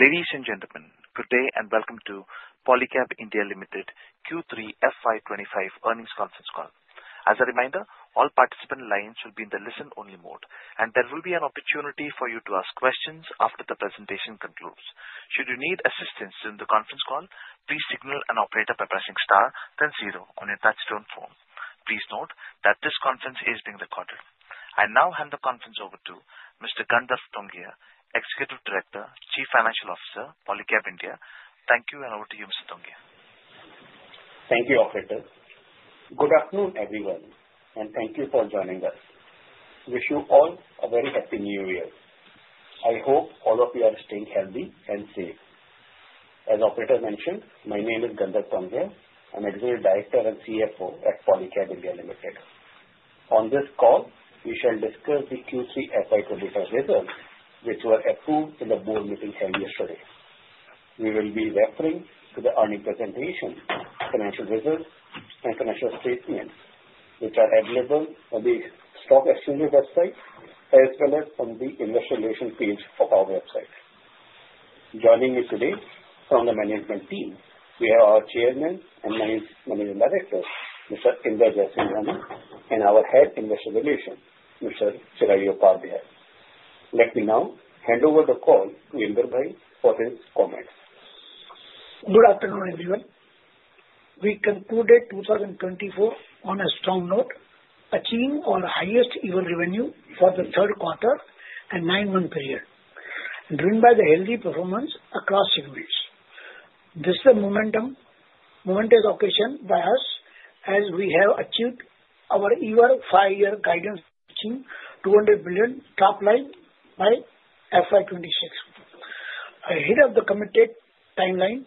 Ladies and gentlemen, good day and welcome to Polycab India Limited Q3 FY25 earnings conference call. As a reminder, all participant lines will be in the listen-only mode, and there will be an opportunity for you to ask questions after the presentation concludes. Should you need assistance during the conference call, please signal an Operator by pressing star then zero on your touch-tone phone. Please note that this conference is being recorded. I now hand the conference over to Mr. Gandharv Tongia, Executive Director and Chief Financial Officer, Polycab India. Thank you, and over to you, Mr. Tongia. Thank you, Operator. Good afternoon, everyone, and thank you for joining us. Wish you all a very happy New Year. I hope all of you are staying healthy and safe. As Operator mentioned, my name is Gandharv Tongia. I'm Executive Director and CFO at Polycab India Limited. On this call, we shall discuss the Q3 FY25 results, which were approved in the board meeting held yesterday. We will be referring to the earnings presentation, financial results, and financial statements, which are available on the stock exchange website as well as on the investor relations page of our website. Joining me today from the management team, we have our Chairman and Managing Director, Mr. Inder Jaisinghani, and our Head Investor Relations, Mr. Chirayu Upadhyaya. Let me now hand over the call to Inder Bhai for his comments. Good afternoon, everyone. We concluded 2024 on a strong note, achieving our highest ever revenue for the third quarter and nine-month period, driven by the healthy performance across segments. This momentum is carrying forward with us as we have achieved our year-over-year guidance, reaching 200 billion top line by FY26. Ahead of the committed timeline,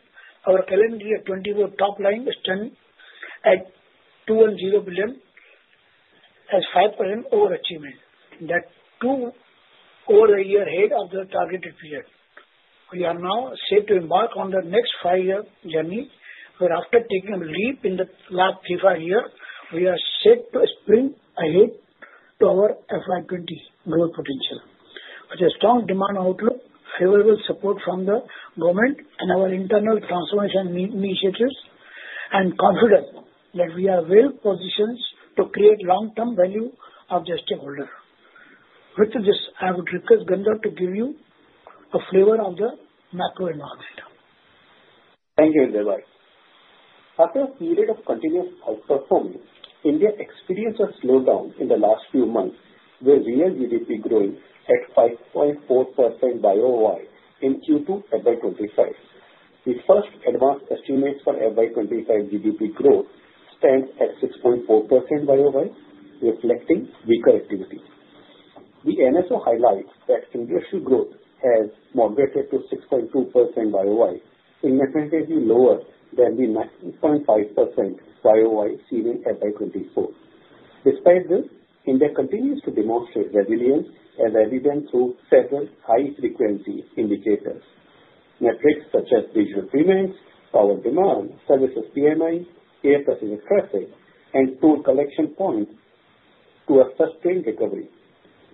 our calendar year 2024 top line stood at 210 billion, a 5% overachievement. That's two years ahead of the targeted period. We are now set to embark on the next five-year journey, where, after taking a leap in the last three to five years, we are set to sprint ahead to our FY30 growth potential. With a strong demand outlook, favorable support from the government and our internal transformation initiatives, and confidence that we are well-positioned to create long-term value for the stakeholders. With this, I would request Gandharv to give you a flavor of the macro environment. Thank you, Inder Bhai. After a period of continuous outperformance, India experienced a slowdown in the last few months, with real GDP growing at 5.4% YoY in Q2 FY25. The first advanced estimates for FY25 GDP growth stand at 6.4% YoY, reflecting weaker activity. The NSO highlights that industrial growth has moderated to 6.2% YoY, significantly lower than the 9.5% YoY seen in FY24. Despite this, India continues to demonstrate resilience, as evident through several high-frequency indicators. Metrics such as regional demands, power demand, services PMI, air passenger traffic, and toll collection points to a sustained recovery.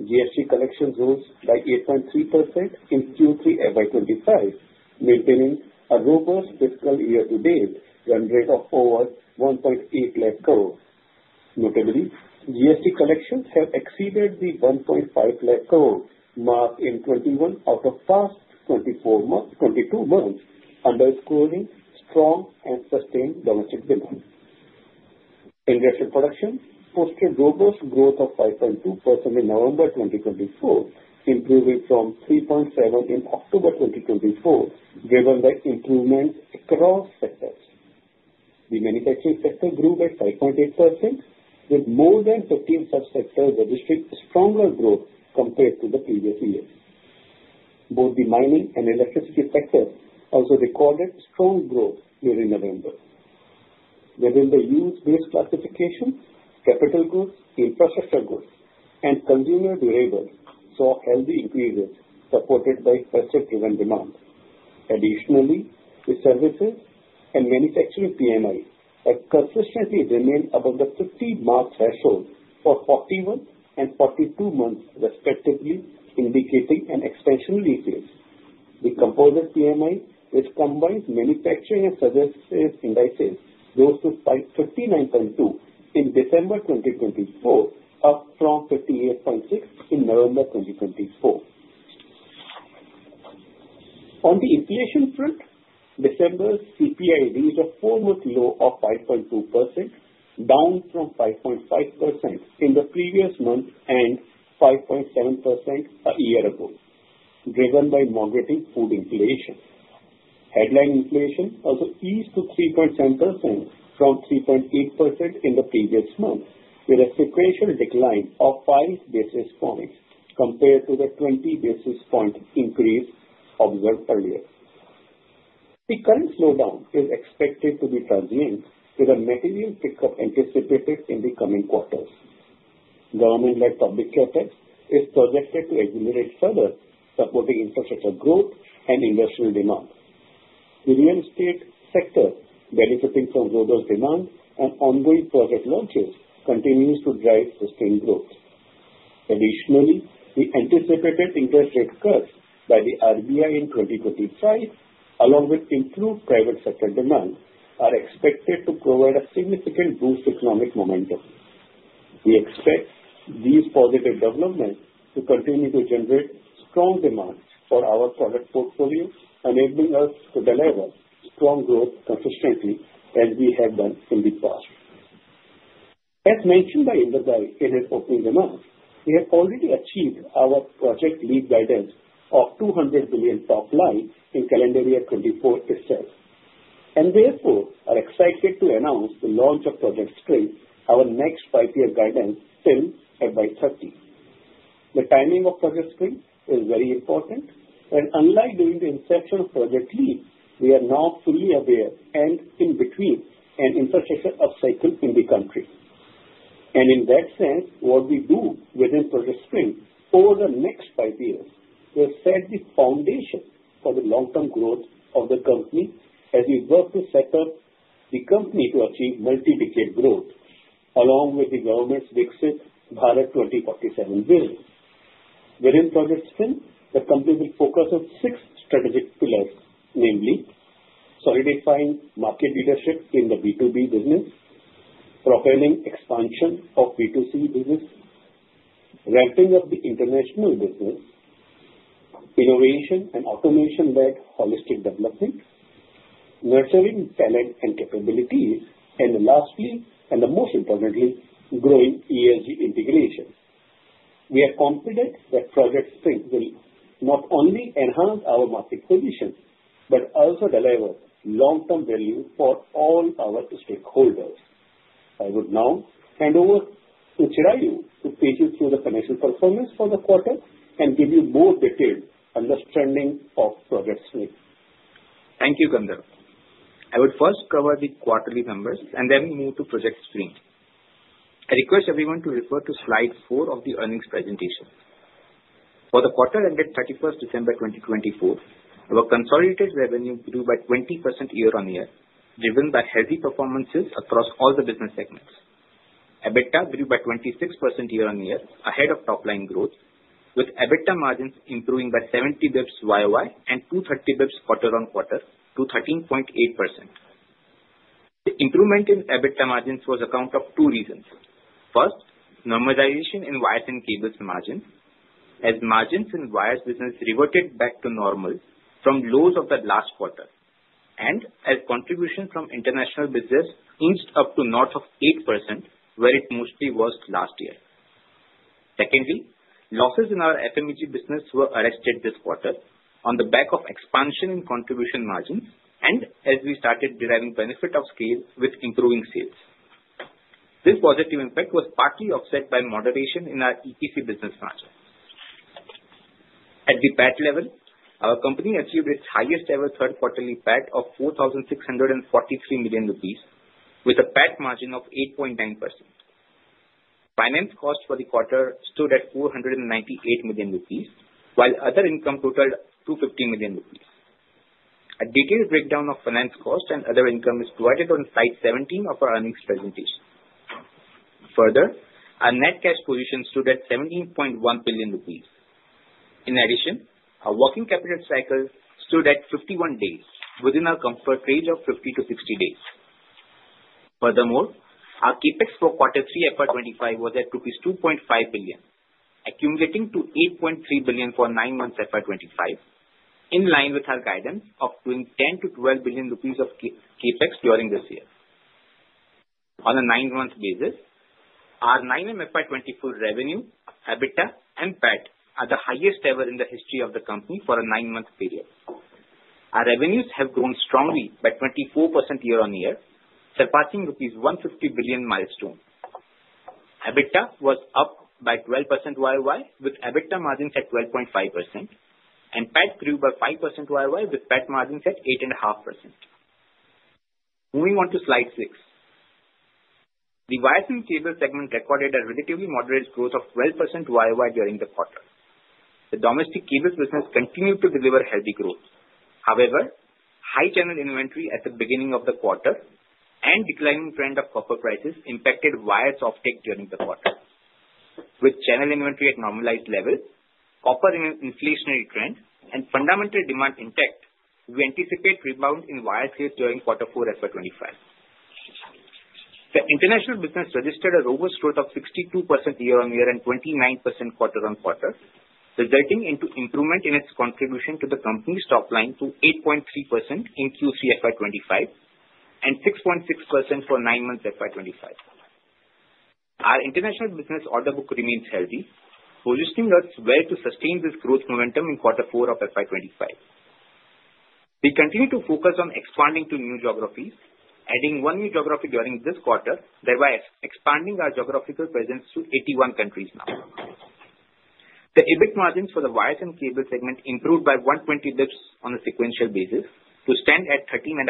GST collection rose by 8.3% in Q3 FY25, maintaining a robust fiscal year-to-date run rate of over 1.8 lakh crores. Notably, GST collections have exceeded the 1.5 lakh crore mark in 21 out of past 22 months, underscoring strong and sustained domestic demand. Industry production posted robust growth of 5.2% in November 2024, improving from 3.7% in October 2024, driven by improvements across sectors. The manufacturing sector grew by 5.8%, with more than 15 subsectors registering stronger growth compared to the previous year. Both the mining and electricity sectors also recorded strong growth during November. Within the use-based classification, capital goods, infrastructure goods, and consumer durables saw healthy increases, supported by pressure-driven demand. Additionally, the services and manufacturing PMIs have consistently remained above the 50-month threshold for 41 and 42 months, respectively, indicating an expansionary phase. The composite PMI, which combines manufacturing and services indices, rose to 59.2 in December 2024, up from 58.6 in November 2024. On the inflation front, December's CPI reached a four-month low of 5.2%, down from 5.5% in the previous month and 5.7% a year ago, driven by moderating food inflation. Headline inflation also eased to 3.7% from 3.8% in the previous month, with a sequential decline of five basis points compared to the 20 basis point increase observed earlier. The current slowdown is expected to be transient, with a material pickup anticipated in the coming quarters. Government-led public CAPEX is projected to accelerate further, supporting infrastructure growth and industrial demand. The real estate sector, benefiting from robust demand and ongoing project launches, continues to drive sustained growth. Additionally, the anticipated interest rate cuts by the RBI in 2025, along with improved private sector demand, are expected to provide a significant boost to economic momentum. We expect these positive developments to continue to generate strong demand for our product portfolio, enabling us to deliver strong growth consistently, as we have done in the past. As mentioned by Inder Bhai in his opening remarks, we have already achieved our Project Leap guidance of 200 billion top line in calendar year 2024 itself, and therefore are excited to announce the launch of Project Spring, our next five-year guidance till FY30. The timing of Project Spring is very important, as unlike during the inception of Project Leap, we are now fully aware and in between an infrastructure upcycle in the country, and in that sense, what we do within Project Spring over the next five years will set the foundation for the long-term growth of the company as we work to set up the company to achieve multi-decade growth, along with the government's Viksit Bharat 2047 vision. Within Project Spring, the company will focus on six strategic pillars, namely: solidifying market leadership in the B2B business, propelling expansion of B2C business, ramping up the international business, innovation and automation-led holistic development, nurturing talent and capabilities, and lastly, and most importantly, growing ESG integration. We are confident that Project Spring will not only enhance our market position but also deliver long-term value for all our stakeholders. I would now hand over to Chirayu to take you through the financial performance for the quarter and give you more detailed understanding of Project Spring. Thank you, Gandharv. I would first cover the quarterly numbers and then move to Project Spring. I request everyone to refer to slide four of the earnings presentation. For the quarter ended 31st December 2024, our consolidated revenue grew by 20% year-on-year, driven by healthy performances across all the business segments. EBITDA grew by 26% year-on-year, ahead of top-line growth, with EBITDA margins improving by 70 basis points YOY and 230 basis points quarter-on-quarter to 13.8%. The improvement in EBITDA margins was on account of two reasons. First, normalization in wires and cables margins, as margins in wires business reverted back to normal from lows of the last quarter, and as contributions from international business inched up to north of 8%, where it mostly was last year. Secondly, losses in our FMEG business were arrested this quarter on the back of expansion in contribution margins and as we started deriving benefit of scale with improving sales. This positive impact was partly offset by moderation in our EPC business margin. At the PAT level, our company achieved its highest-ever third-quarterly PAT of ₹4,643 million, with a PAT margin of 8.9%. Finance cost for the quarter stood at ₹498 million, while other income totaled ₹250 million. A detailed breakdown of finance cost and other income is provided on slide 17 of our earnings presentation. Further, our net cash position stood at ₹17.1 billion. In addition, our working capital cycle stood at 51 days, within our comfort range of 50-60 days. Furthermore, our CAPEX for quarter three FY25 was at rupees 2.5 billion, accumulating to 8.3 billion for nine months FY25, in line with our guidance of doing 10-12 billion rupees of CAPEX during this year. On a nine-month basis, our nine-month FY24 revenue, EBITDA, and PAT are the highest-ever in the history of the company for a nine-month period. Our revenues have grown strongly by 24% year-on-year, surpassing rupees 150 billion milestone. EBITDA was up by 12% YOY, with EBITDA margins at 12.5%, and PAT grew by 5% YOY, with PAT margins at 8.5%. Moving on to slide six, the wires and cables segment recorded a relatively moderate growth of 12% YOY during the quarter. The domestic cables business continued to deliver healthy growth. However, high channel inventory at the beginning of the quarter and declining trend of copper prices impacted wires offtake during the quarter. With channel inventory at normalized levels, copper in an inflationary trend, and fundamental demand intact, we anticipate rebound in wires sales during quarter four FY25. The international business registered a robust growth of 62% year-on-year and 29% quarter-on-quarter, resulting in improvement in its contribution to the company's top line to 8.3% in Q3 FY25 and 6.6% for nine months FY25. Our international business order book remains healthy, positioning us well to sustain this growth momentum in quarter four of FY25. We continue to focus on expanding to new geographies, adding one new geography during this quarter, thereby expanding our geographical presence to 81 countries now. The EBIT margins for the wires and cables segment improved by 120 basis points on a sequential basis to stand at 13.5%.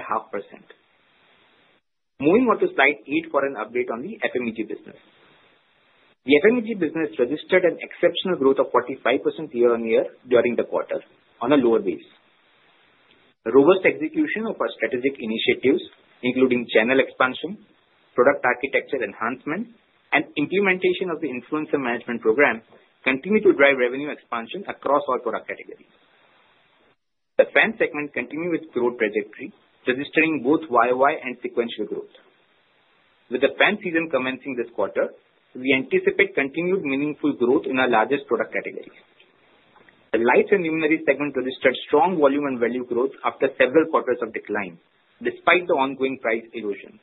Moving on to slide eight for an update on the FMEG business. The FMEG business registered an exceptional growth of 45% year-on-year during the quarter on a lower base. Robust execution of our strategic initiatives, including channel expansion, product architecture enhancement, and implementation of the influencer management program, continue to drive revenue expansion across all product categories. The fan segment continued its growth trajectory, registering both YOY and sequential growth. With the fan season commencing this quarter, we anticipate continued meaningful growth in our largest product category. The lights and luminaires segment registered strong volume and value growth after several quarters of decline, despite the ongoing price erosion.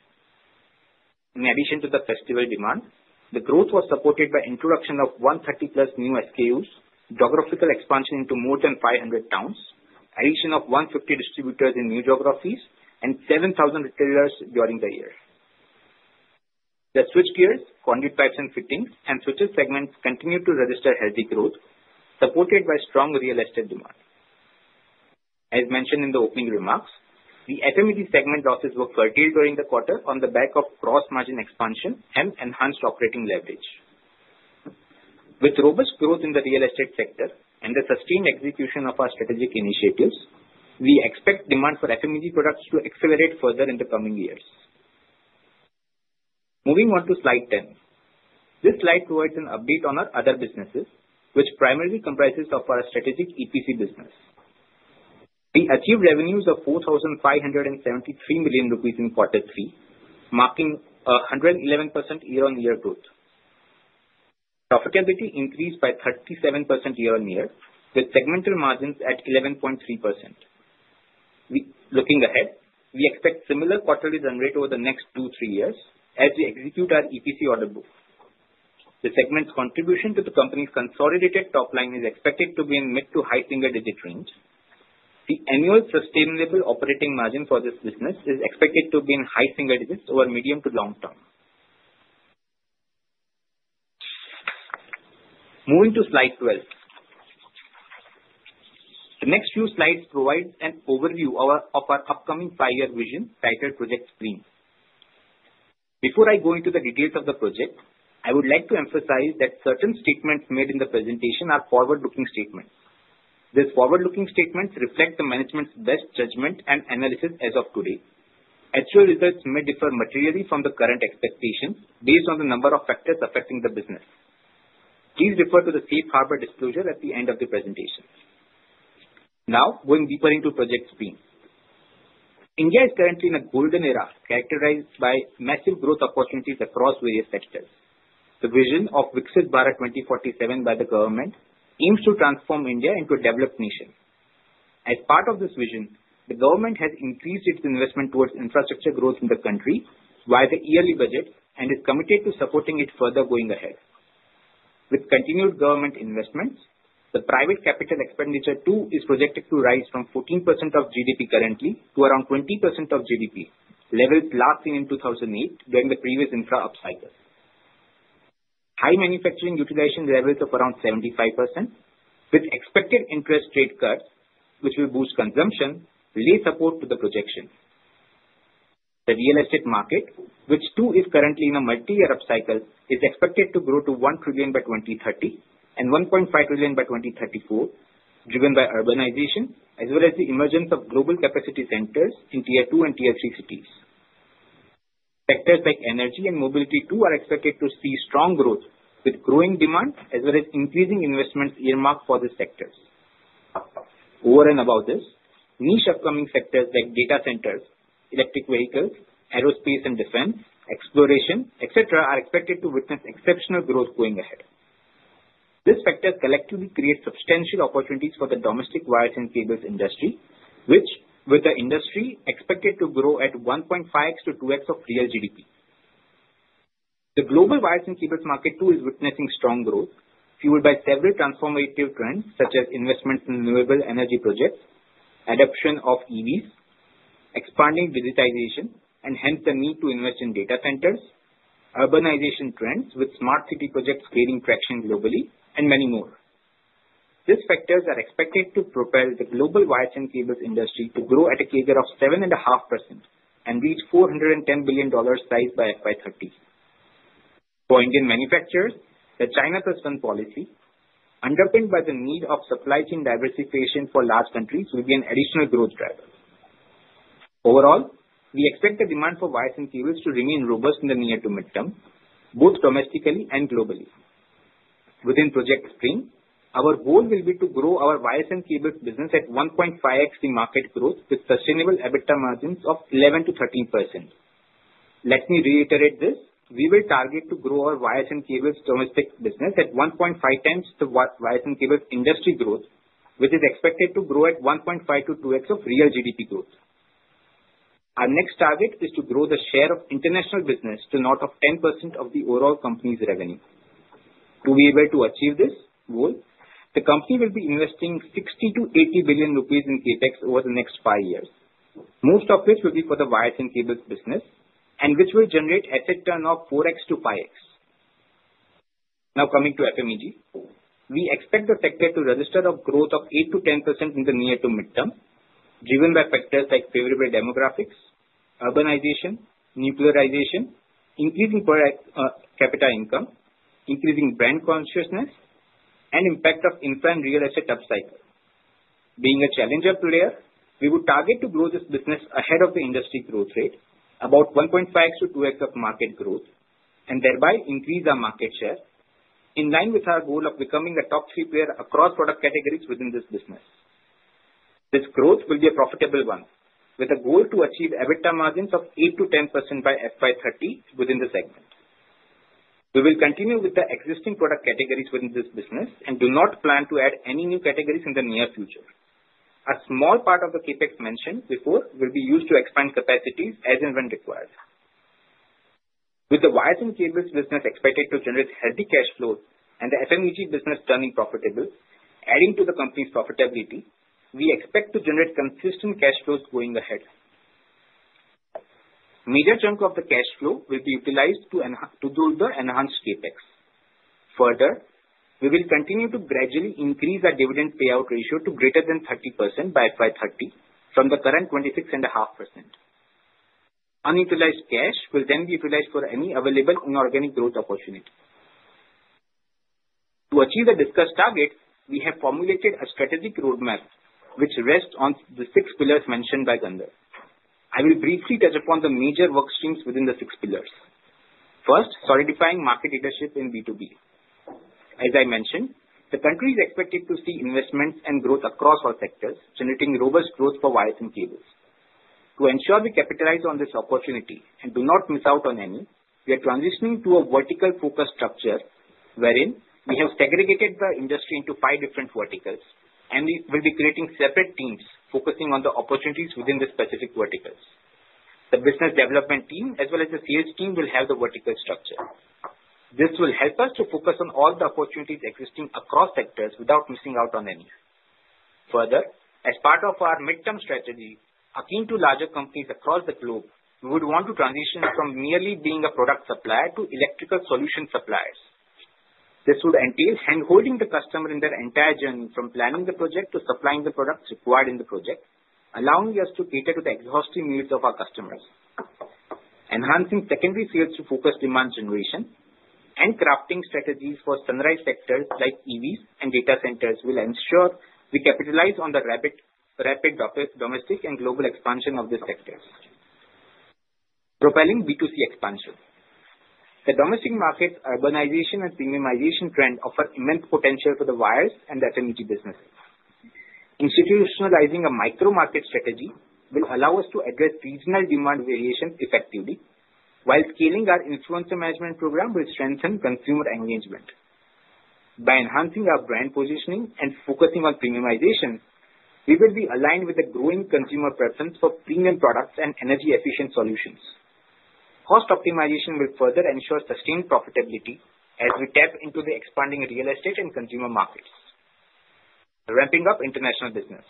In addition to the festival demand, the growth was supported by the introduction of 130-plus new SKUs, geographical expansion into more than 500 towns, addition of 150 distributors in new geographies, and 7,000 retailers during the year. The switchgears, conduit pipes and fittings, and switches segments continued to register healthy growth, supported by strong real estate demand. As mentioned in the opening remarks, the FMEG segment losses were curtailed during the quarter on the back of gross margin expansion and enhanced operating leverage. With robust growth in the real estate sector and the sustained execution of our strategic initiatives, we expect demand for FMEG products to accelerate further in the coming years. Moving on to slide 10, this slide provides an update on our other businesses, which primarily comprises of our strategic EPC business. We achieved revenues of 4,573 million rupees in quarter three, marking a 111% year-on-year growth. Profitability increased by 37% year-on-year, with segmental margins at 11.3%. Looking ahead, we expect similar quarterly run rate over the next two to three years as we execute our EPC order book. The segment's contribution to the company's consolidated top line is expected to be in mid to high single-digit range. The annual sustainable operating margin for this business is expected to be in high single digits over medium to long term. Moving to slide 12, the next few slides provide an overview of our upcoming five-year vision titled Project Spring. Before I go into the details of the project, I would like to emphasize that certain statements made in the presentation are forward-looking statements. These forward-looking statements reflect the management's best judgment and analysis as of today. Actual results may differ materially from the current expectations based on the number of factors affecting the business. Please refer to the safe harbor disclosure at the end of the presentation. Now, going deeper into Project Spring, India is currently in a golden era characterized by massive growth opportunities across various sectors. The vision of Viksit Bharat 2047 by the government aims to transform India into a developed nation. As part of this vision, the government has increased its investment towards infrastructure growth in the country via the yearly budget and is committed to supporting it further going ahead. With continued government investments, the private capital expenditure too is projected to rise from 14% of GDP currently to around 20% of GDP, levels last seen in 2008 during the previous infra upcycle. High manufacturing utilization levels of around 75%, with expected interest rate cuts, which will boost consumption, lay support to the projection. The real estate market, which too is currently in a multi-year upcycle, is expected to grow to ₹1 trillion by 2030 and ₹1.5 trillion by 2034, driven by urbanization as well as the emergence of global capability centers in Tier II and Tier III cities. Sectors like energy and mobility too are expected to see strong growth, with growing demand as well as increasing investment earmarks for these sectors. Over and above this, niche upcoming sectors like data centers, electric vehicles, aerospace and defense, exploration, etc., are expected to witness exceptional growth going ahead. These factors collectively create substantial opportunities for the domestic wires and cables industry, which, with the industry, is expected to grow at 1.5x to 2x of real GDP. The global wires and cables market too is witnessing strong growth, fueled by several transformative trends such as investments in renewable energy projects, adoption of EVs, expanding digitization, and hence the need to invest in data centers, urbanization trends with smart city projects gaining traction globally, and many more. These factors are expected to propel the global wires and cables industry to grow at a CAGR of 7.5% and reach $410 billion size by FY30. For Indian manufacturers, the China Plus One policy, underpinned by the need for supply chain diversification by large countries, will be an additional growth driver. Overall, we expect the demand for wires and cables to remain robust in the near- to medium-term, both domestically and globally. Within Project Spring, our goal will be to grow our wires and cables business at 1.5x the market growth, with sustainable EBITDA margins of 11%-13%. Let me reiterate this: we will target to grow our wires and cables domestic business at 1.5 times the wires and cables industry growth, which is expected to grow at 1.5x-2x of real GDP growth. Our next target is to grow the share of international business to north of 10% of the overall company's revenue. To be able to achieve this goal, the company will be investing 60 billion-80 billion rupees in CapEx over the next five years, most of which will be for the wires and cables business, and which will generate asset turnover of 4x-5x. Now, coming to FMEG, we expect the sector to register a growth of 8%-10% in the near to midterm, driven by factors like favorable demographics, urbanization, nuclearization, increasing per capita income, increasing brand consciousness, and the impact of infra and real estate upcycle. Being a challenger player, we would target to grow this business ahead of the industry growth rate, about 1.5x to 2x of market growth, and thereby increase our market share in line with our goal of becoming a top three player across product categories within this business. This growth will be a profitable one, with a goal to achieve EBITDA margins of 8%-10% by FY30 within the segment. We will continue with the existing product categories within this business and do not plan to add any new categories in the near future. A small part of the CAPEX mentioned before will be used to expand capacities as and when required. With the wires and cables business expected to generate healthy cash flows and the FMEG business turning profitable, adding to the company's profitability, we expect to generate consistent cash flows going ahead. A major chunk of the cash flow will be utilized to further enhance CAPEX. Further, we will continue to gradually increase our dividend payout ratio to greater than 30% by FY30 from the current 26.5%. Unutilized cash will then be utilized for any available inorganic growth opportunity. To achieve the discussed target, we have formulated a strategic roadmap, which rests on the six pillars mentioned by Gandharv. I will briefly touch upon the major work streams within the six pillars. First, solidifying market leadership in B2B. As I mentioned, the country is expected to see investments and growth across all sectors, generating robust growth for wires and cables. To ensure we capitalize on this opportunity and do not miss out on any, we are transitioning to a vertical-focused structure wherein we have segregated the industry into five different verticals, and we will be creating separate teams focusing on the opportunities within the specific verticals. The business development team, as well as the sales team, will have the vertical structure. This will help us to focus on all the opportunities existing across sectors without missing out on any. Further, as part of our midterm strategy, akin to larger companies across the globe, we would want to transition from merely being a product supplier to electrical solution suppliers. This would entail hand-holding the customer in their entire journey from planning the project to supplying the products required in the project, allowing us to cater to the exhaustive needs of our customers. Enhancing secondary sales to focus demand generation and crafting strategies for sunrise sectors like EVs and data centers will ensure we capitalize on the rapid domestic and global expansion of these sectors. Propelling B2C expansion, the domestic market's urbanization and premiumization trend offers immense potential for the wires and FMEG businesses. Institutionalizing a micro-market strategy will allow us to address regional demand variations effectively, while scaling our influencer management program will strengthen consumer engagement. By enhancing our brand positioning and focusing on premiumization, we will be aligned with the growing consumer preference for premium products and energy-efficient solutions. Cost optimization will further ensure sustained profitability as we tap into the expanding real estate and consumer markets. Ramping up international business,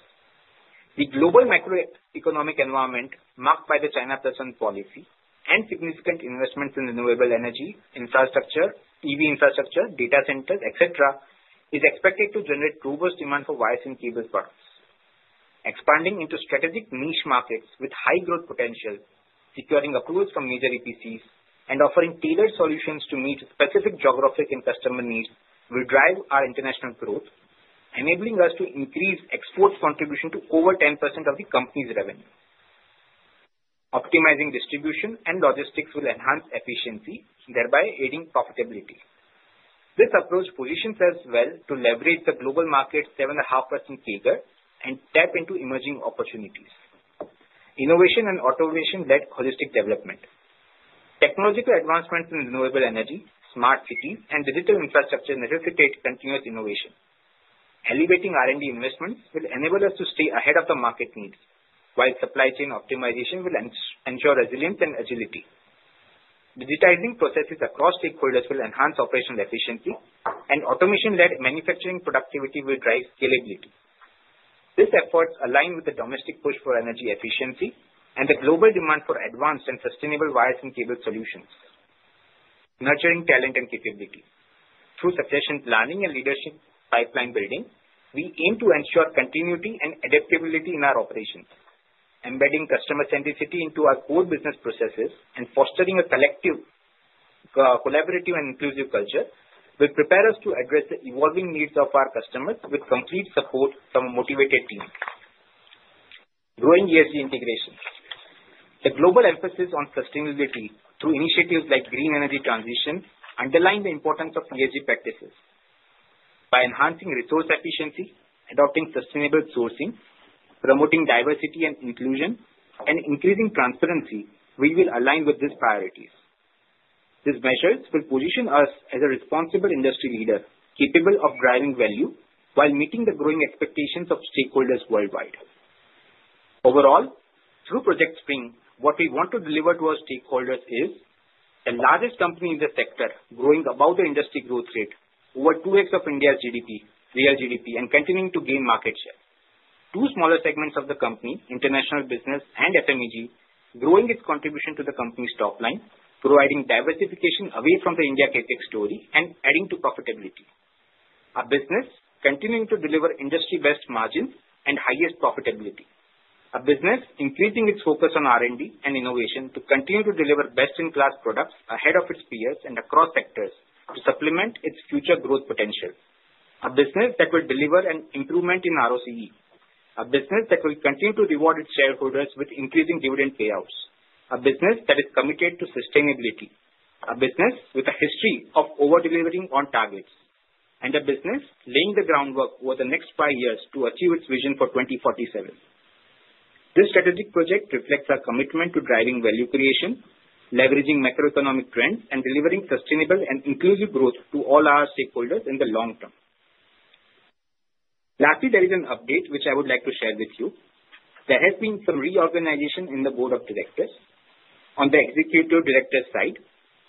the global macroeconomic environment marked by the China Plus One policy and significant investments in renewable energy, infrastructure, EV infrastructure, data centers, etc., is expected to generate robust demand for wires and cables products. Expanding into strategic niche markets with high growth potential, securing approvals from major EPCs, and offering tailored solutions to meet specific geographic and customer needs will drive our international growth, enabling us to increase export contribution to over 10% of the company's revenue. Optimizing distribution and logistics will enhance efficiency, thereby aiding profitability. This approach positions us well to leverage the global market's 7.5% CAGR and tap into emerging opportunities. Innovation and automation led to holistic development. Technological advancements in renewable energy, smart cities, and digital infrastructure necessitate continuous innovation. Elevating R&D investments will enable us to stay ahead of the market needs, while supply chain optimization will ensure resilience and agility. Digitizing processes across stakeholders will enhance operational efficiency, and automation-led manufacturing productivity will drive scalability. These efforts align with the domestic push for energy efficiency and the global demand for advanced and sustainable wires and cables solutions. Nurturing talent and capability. Through succession planning and leadership pipeline building, we aim to ensure continuity and adaptability in our operations. Embedding customer centricity into our core business processes and fostering a collective collaborative and inclusive culture will prepare us to address the evolving needs of our customers with complete support from a motivated team. Growing ESG integration. The global emphasis on sustainability through initiatives like green energy transition underlines the importance of ESG practices. By enhancing resource efficiency, adopting sustainable sourcing, promoting diversity and inclusion, and increasing transparency, we will align with these priorities. These measures will position us as a responsible industry leader capable of driving value while meeting the growing expectations of stakeholders worldwide. Overall, through Project Spring, what we want to deliver to our stakeholders is the largest company in the sector, growing above the industry growth rate, over 2x of India's GDP, real GDP, and continuing to gain market share. Two smaller segments of the company, international business and FMEG, growing its contribution to the company's top line, providing diversification away from the India CAPEX story and adding to profitability. A business continuing to deliver industry-best margins and highest profitability. A business increasing its focus on R&D and innovation to continue to deliver best-in-class products ahead of its peers and across sectors to supplement its future growth potential. A business that will deliver an improvement in ROCE. A business that will continue to reward its shareholders with increasing dividend payouts. A business that is committed to sustainability. A business with a history of over-delivering on targets. And a business laying the groundwork over the next five years to achieve its vision for 2047. This strategic project reflects our commitment to driving value creation, leveraging macroeconomic trends, and delivering sustainable and inclusive growth to all our stakeholders in the long term. Lastly, there is an update which I would like to share with you. There has been some reorganization in the Board of Directors. On the Executive Director side,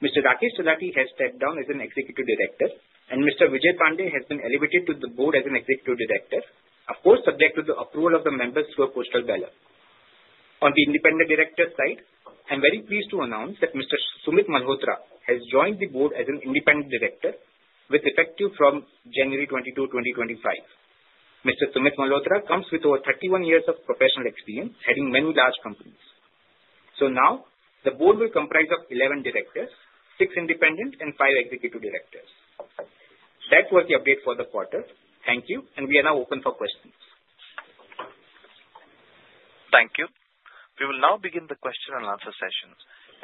Mr. Rakesh Talati has stepped down as an Executive Director, and Mr. Vijay Pandya has been elevated to the Board as an Executive Director, of course subject to the approval of the members through a postal ballot. On the independent director side, I'm very pleased to announce that Mr. Sumit Malhotra has joined the board as an independent director with effect from January 22, 2025. Mr. Sumit Malhotra comes with over 31 years of professional experience heading many large companies. So now the board will comprise of 11 directors, 6 independent, and 5 executive directors. That was the update for the quarter. Thank you, and we are now open for questions. Thank you. We will now begin the question and answer session.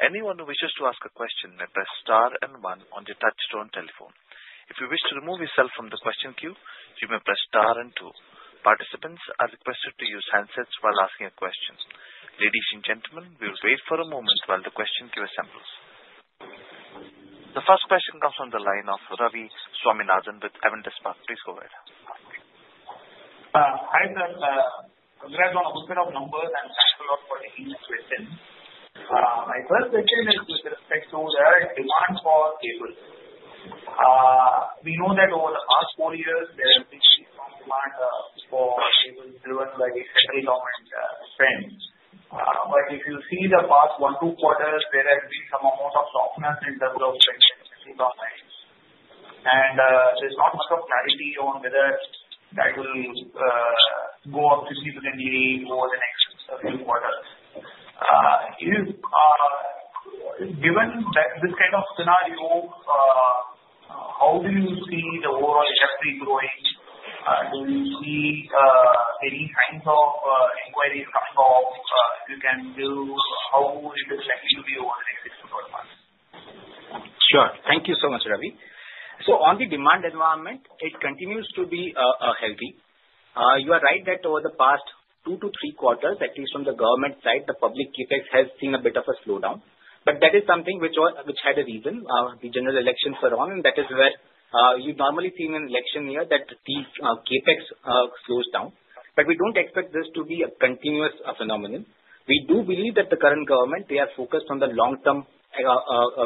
Anyone who wishes to ask a question may press star and one on the touchtone telephone. If you wish to remove yourself from the question queue, you may press star and two. Participants are requested to use handsets while asking a question. Ladies and gentlemen, we will wait for a moment while the question queue assembles. The first question comes from the line of Ravi Swaminathan with Avendus Spark. Please go ahead. Hi sir, congrats on a good set of numbers, and thanks a lot for taking this question. My first question is with respect to the demand for cables. We know that over the past four years, there has been a strong demand for cables driven by the central government spend. But if you see the past one to two quarters, there has been some amount of softness in terms of spending in central government. And there's not much of clarity on whether that will go up significantly over the next few quarters. Given this kind of scenario, how do you see the overall industry growing? Do you see any signs of inquiries coming off? If you can do, how is it likely to be over the next six to 12 months? Sure. Thank you so much, Ravi. So on the demand environment, it continues to be healthy. You are right that over the past two to three quarters, at least on the government side, the public CapEx has seen a bit of a slowdown. But that is something which had a reason. The general elections are on, and that is where you normally see in an election year that these CapEx slows down. But we don't expect this to be a continuous phenomenon. We do believe that the current government, they are focused on the long-term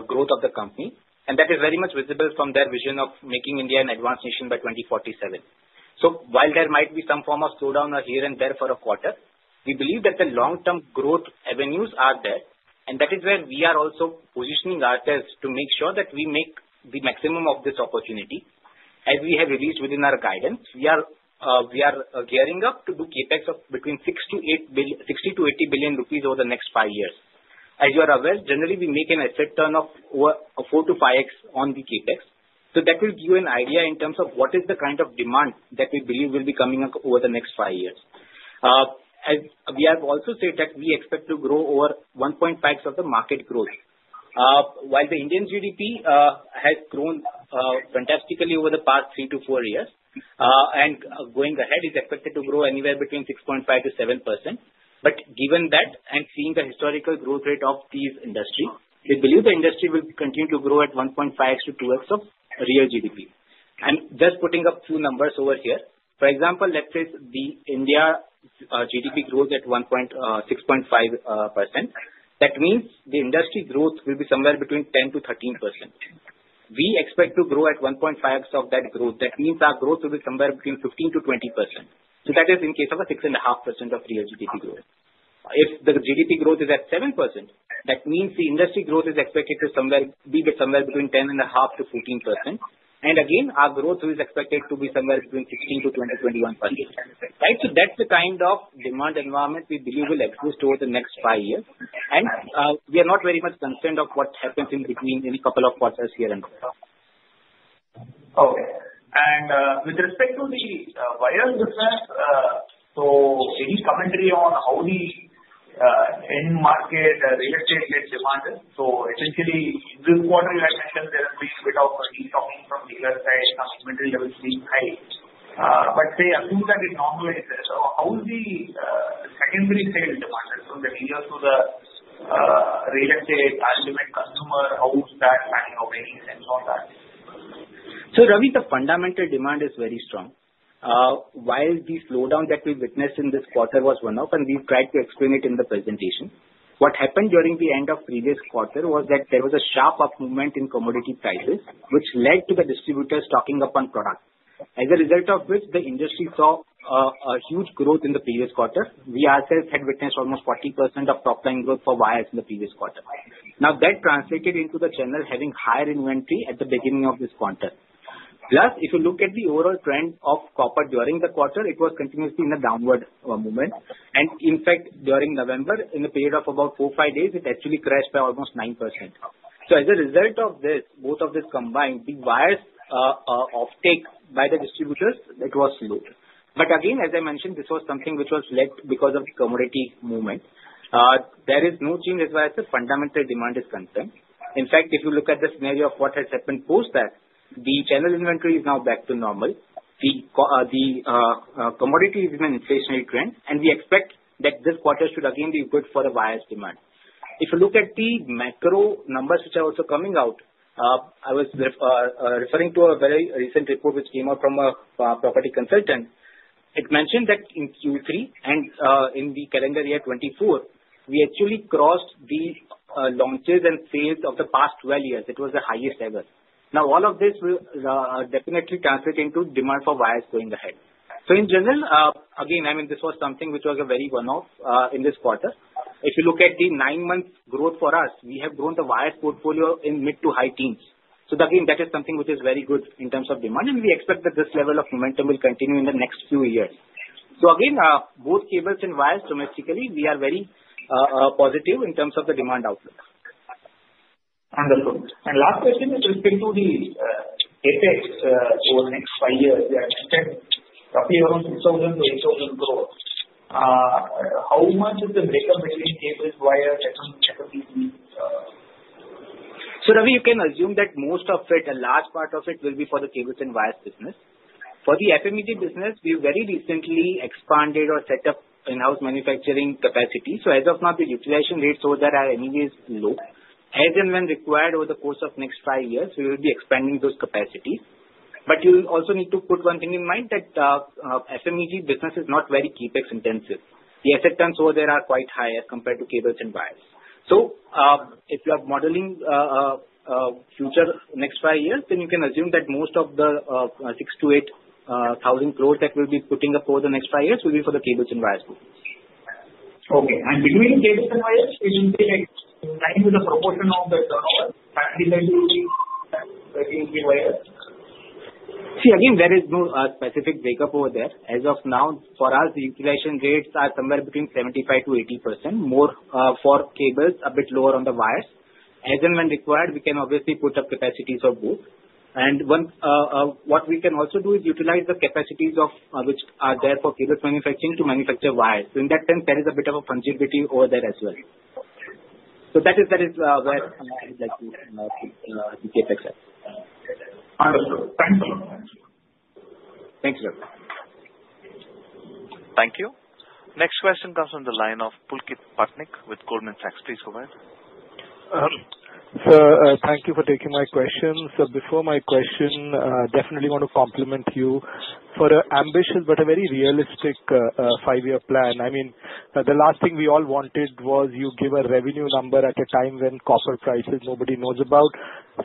growth of the company, and that is very much visible from their vision of making India an advanced nation by 2047. So while there might be some form of slowdown here and there for a quarter, we believe that the long-term growth avenues are there, and that is where we are also positioning ourselves to make sure that we make the maximum of this opportunity. As we have released within our guidance, we are gearing up to do CAPEX of between 60 billion-80 billion rupees over the next five years. As you are aware, generally we make an asset turnover of 4-5x on the CAPEX. So that will give you an idea in terms of what is the kind of demand that we believe will be coming up over the next five years. We have also said that we expect to grow over 1.5x of the market growth, while the Indian GDP has grown fantastically over the past three to four years, and going ahead, it is expected to grow anywhere between 6.5%-7%. But given that and seeing the historical growth rate of these industries, we believe the industry will continue to grow at 1.5x-2x of real GDP. I'm just putting up two numbers over here. For example, let's say the India GDP grows at 6.5%. That means the industry growth will be somewhere between 10%-13%. We expect to grow at 1.5x of that growth. That means our growth will be somewhere between 15%-20%. So that is in case of a 6.5% of real GDP growth. If the GDP growth is at 7%, that means the industry growth is expected to be somewhere between 10.5%-14%. And again, our growth is expected to be somewhere between 16% to 20% to 21%. Right? So that's the kind of demand environment we believe will exist over the next five years. And we are not very much concerned of what happens in between in a couple of quarters here and there. Okay. And with respect to the wires business, so any commentary on how the end market real estate-led demand is? So essentially, in this quarter, you had mentioned there has been a bit of a de-stocking from the U.S. side, some inventory levels being high. But say, assume that it normalizes. How is the secondary sales demand from the OEM to the retail ultimate consumer? How is that planning of raising sales on that? So Ravi, the fundamental demand is very strong. While the slowdown that we witnessed in this quarter was one-off, and we've tried to explain it in the presentation, what happened during the end of the previous quarter was that there was a sharp up movement in commodity prices, which led to the distributors stocking up on products. As a result of which, the industry saw a huge growth in the previous quarter. We ourselves had witnessed almost 40% of top-line growth for wires in the previous quarter. Now, that translated into the channel having higher inventory at the beginning of this quarter. Plus, if you look at the overall trend of copper during the quarter, it was continuously in a downward movement, and in fact, during November, in the period of about four or five days, it actually crashed by almost 9%. So as a result of this, both of this combined, the wires' offtake by the distributors, it was slow. But again, as I mentioned, this was something which was led because of the commodity movement. There is no change as far as the fundamental demand is concerned. In fact, if you look at the scenario of what has happened post that, the channel inventory is now back to normal. The commodity is in an inflationary trend, and we expect that this quarter should again be good for the wires' demand. If you look at the macro numbers which are also coming out, I was referring to a very recent report which came out from a property consultant. It mentioned that in Q3 and in the calendar year 2024, we actually crossed the launches and sales of the past 12 years. It was the highest ever. Now, all of this will definitely translate into demand for wires going ahead. So in general, again, I mean, this was something which was a very one-off in this quarter. If you look at the nine-month growth for us, we have grown the wires' portfolio in mid to high teens. So again, that is something which is very good in terms of demand, and we expect that this level of momentum will continue in the next few years. So again, both cables and wires domestically, we are very positive in terms of the demand outlook. Wonderful. And last question with respect to the CapEx over the next five years. You had mentioned roughly around 6,000-8,000 crores. How much is the makeup between cables, wires, FMEG? So Ravi, you can assume that most of it, a large part of it, will be for the cables and wires business. For the FMEG business, we have very recently expanded or set up in-house manufacturing capacity. So as of now, the utilization rates over there are anyways low. As and when required over the course of the next five years, we will be expanding those capacities. But you also need to put one thing in mind that FMEG business is not very CapEx intensive. The asset turns over there are quite high as compared to cables and wires. If you are modeling future next five years, then you can assume that most of the 6-8 thousand crores that we'll be putting up over the next five years will be for the cables and wires business. Okay. And between the cables and wires, it will be like 9%-10% of the total factory-led utility wires? See, again, there is no specific makeup over there. As of now, for us, the utilization rates are somewhere between 75%-80%, more for cables, a bit lower on the wires. As and when required, we can obviously put up capacities of both. And what we can also do is utilize the capacities which are there for cables manufacturing to manufacture wires. So in that sense, there is a bit of a fungibility over there as well. So that is where I would like to put the CAPEX at. Wonderful. Thanks a lot. Thanks. Thank you. Thank you. Next question comes from the line of Pulkit Patni with Goldman Sachs. Please go ahead. Sir, thank you for taking my question. So before my question, definitely want to compliment you for an ambitious but a very realistic five-year plan. I mean, the last thing we all wanted was you give a revenue number at a time when copper prices nobody knows about.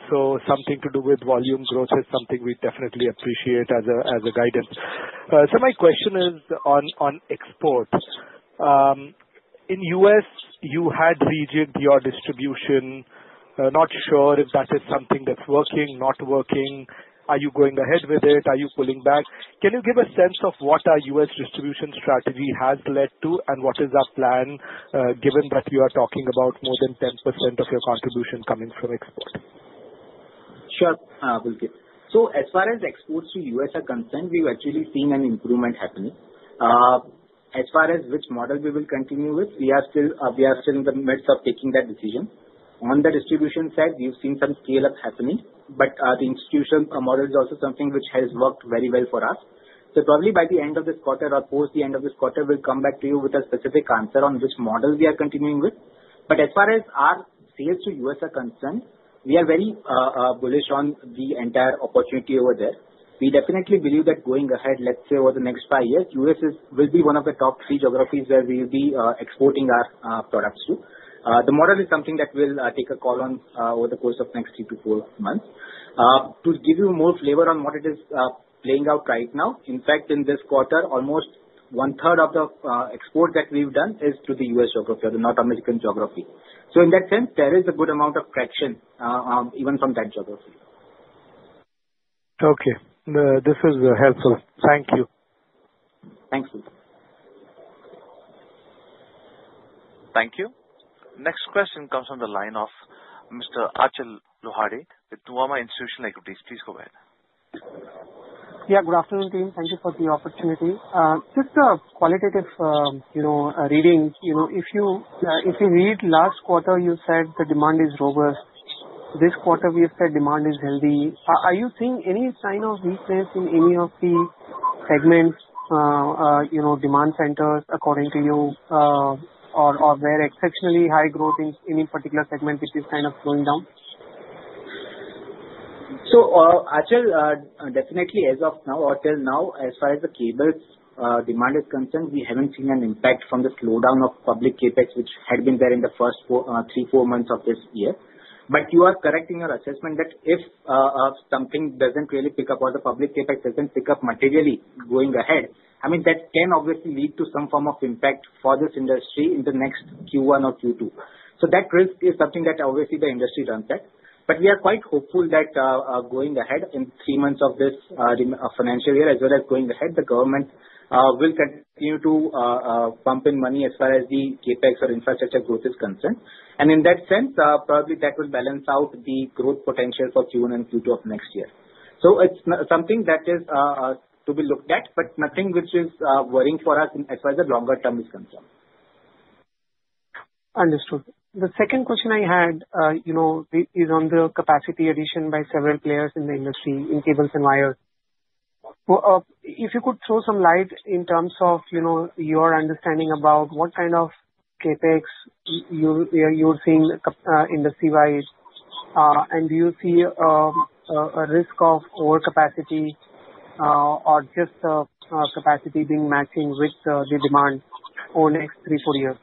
So something to do with volume growth is something we definitely appreciate as a guidance. So my question is on export. In the US, you had rejigged your distribution. Not sure if that is something that's working, not working. Are you going ahead with it? Are you pulling back? Can you give a sense of what our U.S. distribution strategy has led to and what is our plan given that you are talking about more than 10% of your contribution coming from export? Sure. So as far as exports to the U.S. are concerned, we've actually seen an improvement happening. As far as which model we will continue with, we are still in the midst of taking that decision. On the distribution side, we've seen some scale-up happening, but the institutional model is also something which has worked very well for us. So probably by the end of this quarter or post the end of this quarter, we'll come back to you with a specific answer on which model we are continuing with. But as far as our sales to the U.S. are concerned, we are very bullish on the entire opportunity over there. We definitely believe that going ahead, let's say over the next five years, the US will be one of the top three geographies where we will be exporting our products to. The model is something that we'll take a call on over the course of the next three to four months. To give you more flavor on what it is playing out right now, in fact, in this quarter, almost one-third of the export that we've done is to the US geography, North American geography. So in that sense, there is a good amount of traction even from that geography. Okay. This was helpful. Thank you. Thanks, sir. Thank you. Next question comes from the line of Mr. Achal Lohade with Nuvama Institutional Equities. Please go ahead. Yeah. Good afternoon, team. Thank you for the opportunity. Just a qualitative reading. If you read last quarter, you said the demand is robust. This quarter, we have said demand is healthy. Are you seeing any sign of weakness in any of the segments, demand centers, according to you, or were exceptionally high growth in any particular segment which is kind of slowing down? So Achal, definitely as of now, or till now, as far as the cables demand is concerned, we haven't seen an impact from the slowdown of public CapEx, which had been there in the first three, four months of this year. But you are correct in your assessment that if something doesn't really pick up or the public CapEx doesn't pick up materially going ahead, I mean, that can obviously lead to some form of impact for this industry in the next Q1 or Q2. So that risk is something that obviously the industry does not get. But we are quite hopeful that going ahead in three months of this financial year, as well as going ahead, the government will continue to pump in money as far as the CAPEX or infrastructure growth is concerned. And in that sense, probably that will balance out the growth potential for Q1 and Q2 of next year. So it's something that is to be looked at, but nothing which is worrying for us as far as the longer term is concerned. Understood. The second question I had is on the capacity addition by several players in the industry, in cables and wires. If you could throw some light in terms of your understanding about what kind of CAPEX you're seeing industry-wise, and do you see a risk of overcapacity or just capacity being matching with the demand over the next three, four years?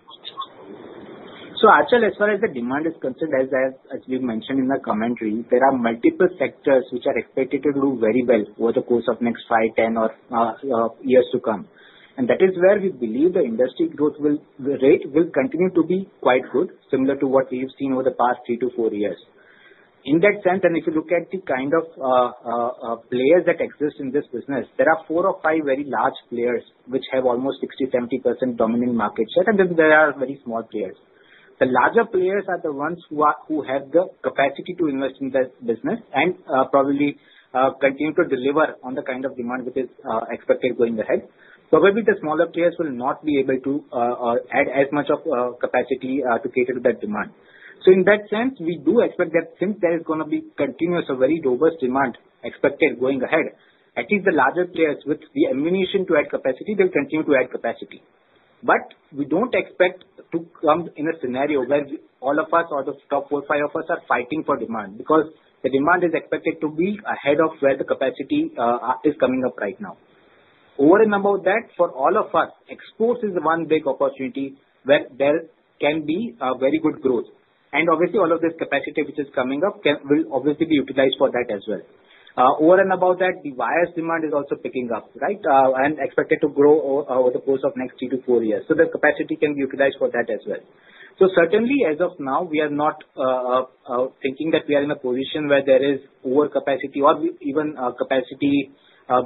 So Achal, as far as the demand is concerned, as we've mentioned in the commentary, there are multiple sectors which are expected to do very well over the course of the next 5, 10, or years to come. And that is where we believe the industry growth rate will continue to be quite good, similar to what we've seen over the past three to four years. In that sense, and if you look at the kind of players that exist in this business, there are four or five very large players which have almost 60%, 70% dominant market share, and then there are very small players. The larger players are the ones who have the capacity to invest in the business and probably continue to deliver on the kind of demand which is expected going ahead. Probably the smaller players will not be able to add as much capacity to cater to that demand. So in that sense, we do expect that since there is going to be continuous or very robust demand expected going ahead, at least the larger players with the ammunition to add capacity, they'll continue to add capacity. But we don't expect to come in a scenario where all of us, out of the top four or five of us, are fighting for demand because the demand is expected to be ahead of where the capacity is coming up right now. Over and above that, for all of us, exports is one big opportunity where there can be very good growth. And obviously, all of this capacity which is coming up will obviously be utilized for that as well. Over and above that, the wires demand is also picking up, right, and expected to grow over the course of the next three to four years. So the capacity can be utilized for that as well. So certainly, as of now, we are not thinking that we are in a position where there is overcapacity or even capacity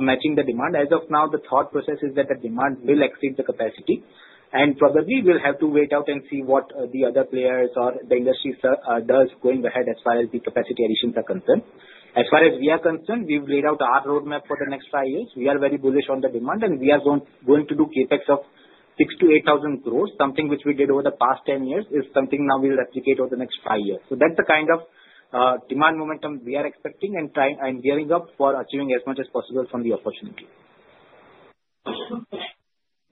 matching the demand. As of now, the thought process is that the demand will exceed the capacity. And probably we'll have to wait out and see what the other players or the industry does going ahead as far as the capacity additions are concerned. As far as we are concerned, we've laid out our roadmap for the next five years. We are very bullish on the demand, and we are going to do CAPEX of 6-8 thousand crores, something which we did over the past 10 years, is something now we'll replicate over the next five years. So that's the kind of demand momentum we are expecting and gearing up for achieving as much as possible from the opportunity.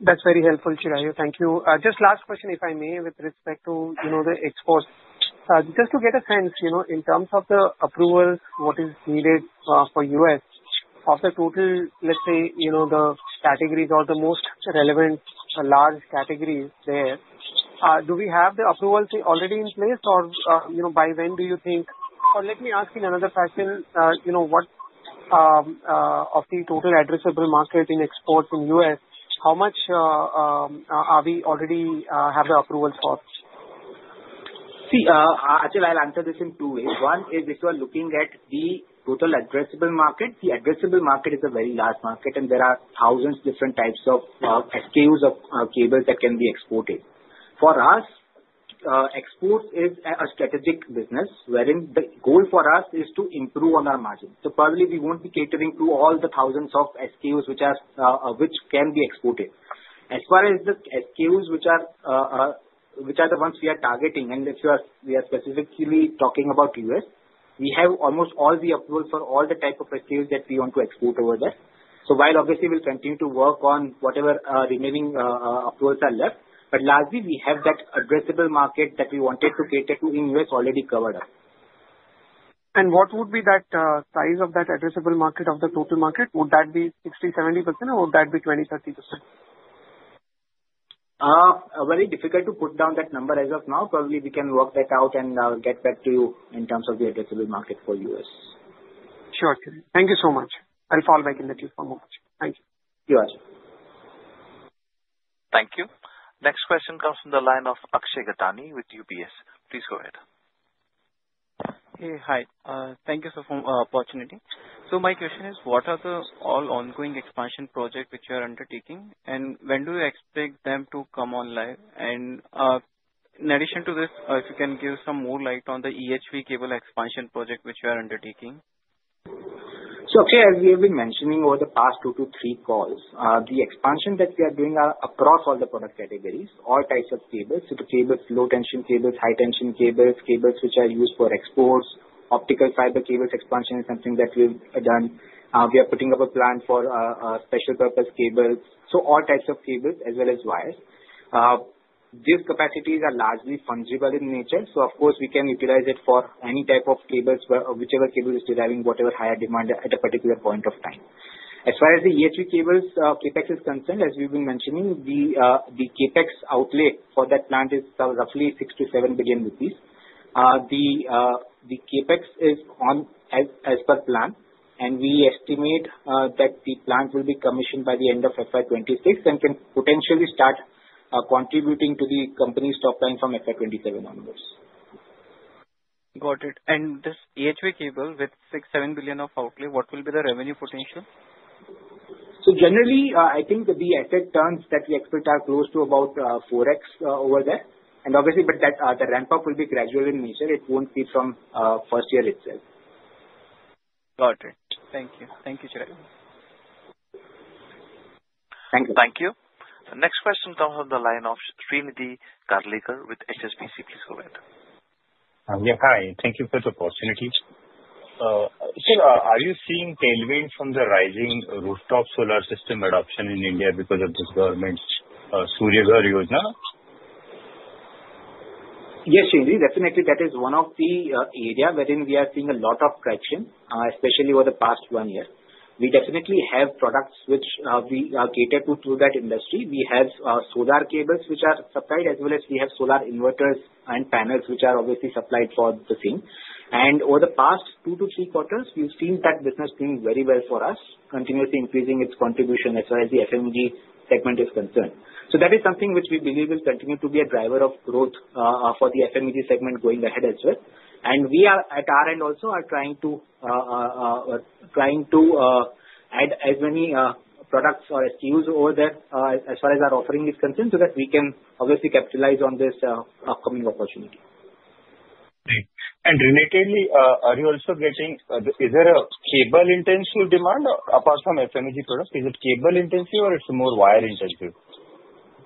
That's very helpful, Chirayu. Thank you. Just last question, if I may, with respect to the exports. Just to get a sense, in terms of the approvals, what is needed for the U.S., of the total, let's say, the categories or the most relevant large categories there, do we have the approvals already in place, or by when do you think? Or let me ask in another fashion, what of the total addressable market in exports in the U.S., how much are we already have the approvals for? See, Achal, I'll answer this in two ways. One is if you are looking at the total addressable market, the addressable market is a very large market, and there are thousands of different types of SKUs of cables that can be exported. For us, exports is a strategic business wherein the goal for us is to improve on our margin. So probably we won't be catering to all the thousands of SKUs which can be exported. As far as the SKUs which are the ones we are targeting, and if we are specifically talking about the US, we have almost all the approvals for all the types of SKUs that we want to export over there. So while obviously we'll continue to work on whatever remaining approvals are left, but largely, we have that addressable market that we wanted to cater to in the US already covered up. And what would be that size of that addressable market of the total market? Would that be 60%, 70%, or would that be 20%, 30%? Very difficult to put down that number as of now. Probably we can work that out and get back to you in terms of the addressable market for the US. Sure. Thank you so much. I'll call back in a few moments. Thank you. You as well. Thank you. Next question comes from the line of Akshay Gattani with UBS. Please go ahead. Hey, hi. Thank you for the opportunity. So my question is, what are the all ongoing expansion projects which you are undertaking, and when do you expect them to come online? And in addition to this, if you can give some more light on the EHV cable expansion project which you are undertaking. So actually, as we have been mentioning over the past two to three calls, the expansion that we are doing across all the product categories, all types of cables, so the cables, low-tension cables, high-tension cables, cables which are used for exports, optical fiber cables expansion is something that we've done. We are putting up a plant for special-purpose cables. So all types of cables as well as wires. These capacities are largely fungible in nature, so of course, we can utilize it for any type of cables, whichever cable is deriving whatever higher demand at a particular point of time. As far as the EHV cables CAPEX is concerned, as we've been mentioning, the CAPEX outlay for that plant is roughly 6 billion-7 billion rupees. The CAPEX is on as per plan, and we estimate that the plant will be commissioned by the end of FY26 and can potentially start contributing to the company's top line from FY27 onwards. Got it. And this EHV cable with 6-7 billion of outlay, what will be the revenue potential? So generally, I think the asset turns that we expect are close to about 4x over there. And obviously, but the ramp-up will be gradual in nature. It won't be from the first year itself. Got it. Thank you. Thank you, Chirayu. Thank you. Thank you. The next question comes from the line of Srinidhi Karlekar with HSBC. Please go ahead. Yeah. Hi. Thank you for the opportunity. Sir, are you seeing tailwind from the rising rooftop solar system adoption in India because of this government's Surya Ghar Yojana? Yes, Srinidhi. Definitely, that is one of the areas wherein we are seeing a lot of traction, especially over the past one year. We definitely have products which we are catered to through that industry. We have solar cables which are supplied, as well as we have solar inverters and panels which are obviously supplied for the same, and over the past two to three quarters, we've seen that business doing very well for us, continuously increasing its contribution as far as the FMEG segment is concerned, so that is something which we believe will continue to be a driver of growth for the FMEG segment going ahead as well, and we at our end also are trying to add as many products or SKUs over there as far as our offering is concerned so that we can obviously capitalize on this upcoming opportunity. Relatedly, are you also getting is there a cable-intensive demand apart from FMEG products? Is it cable-intensive or it's more wire-intensive?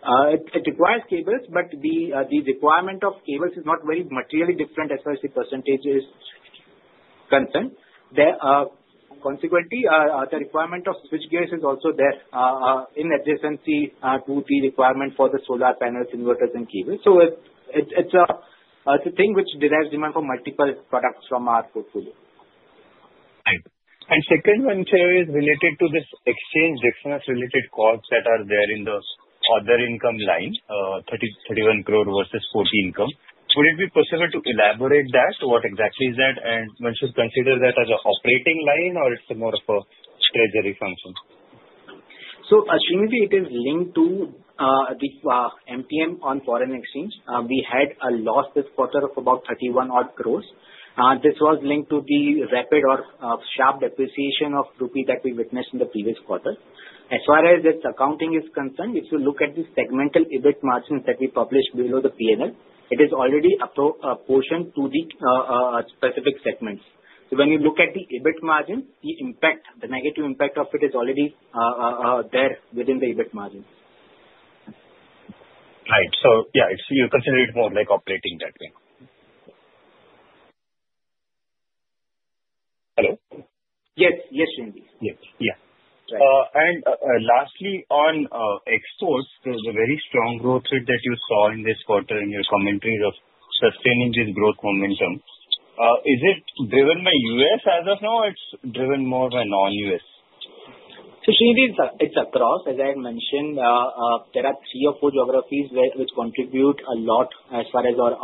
It requires cables, but the requirement of cables is not very materially different as far as the percentage is concerned. Consequently, the requirement of switchgears is also there in adjacency to the requirement for the solar panels, inverters, and cables. So it's a thing which derives demand from multiple products from our portfolio. Right. And second one, Chirayu, is related to this exchange-related costs that are there in the other income line, 31 crore versus 40 crore. Would it be possible to elaborate that? What exactly is that? And one should consider that as an operating line, or it's more of a treasury function? So Srinidhi, it is linked to the MTM on foreign exchange. We had a loss this quarter of about 31 odd crores. This was linked to the rapid or sharp depreciation of rupees that we witnessed in the previous quarter. As far as its accounting is concerned, if you look at the segmental EBIT margins that we published below the P&L, it is already apportioned to the specific segments. So when you look at the EBIT margin, the impact, the negative impact of it is already there within the EBIT margin. Right. So yeah, you consider it more like operating that way. Hello? Yes. Yes, Srinidhi. Yes. Yeah. And lastly, on exports, there's a very strong growth rate that you saw in this quarter in your commentary of sustaining this growth momentum. Is it driven by U.S. as of now, or it's driven more by non-U.S.? So Srinidhi, it's across, as I had mentioned. There are three or four geographies which contribute a lot as far as or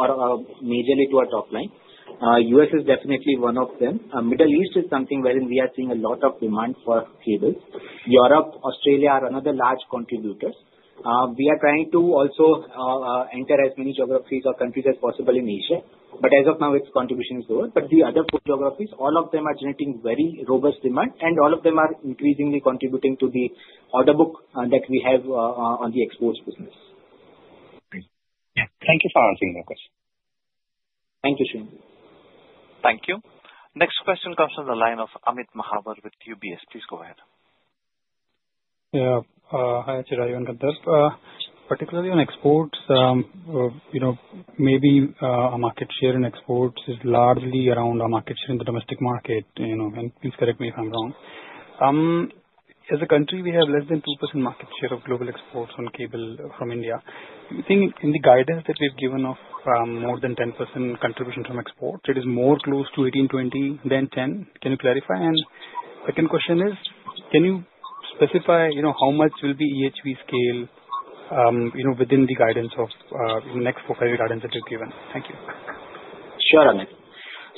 majorly to our top line. US is definitely one of them. Middle East is something wherein we are seeing a lot of demand for cables. Europe, Australia are another large contributors. We are trying to also enter as many geographies or countries as possible in Asia, but as of now, its contribution is lower. But the other four geographies, all of them are generating very robust demand, and all of them are increasingly contributing to the order book that we have on the exports business. Yeah. Thank you for answering that question. Thank you, Srinidhi. Thank you. Next question comes from the line of Amit Mahawar with UBS. Please go ahead. Yeah. Hi, Chirayu. Hi Gandharv. Particularly on exports, maybe our market share in exports is largely around our market share in the domestic market. Please correct me if I'm wrong. As a country, we have less than 2% market share of global exports on cable from India. Do you think in the guidance that we've given of more than 10% contribution from exports, it is more close to 18-20 than 10? Can you clarify? And second question is, can you specify how much will be EHV sales within the guidance of the next four or five years guidance that you've given? Thank you. Sure.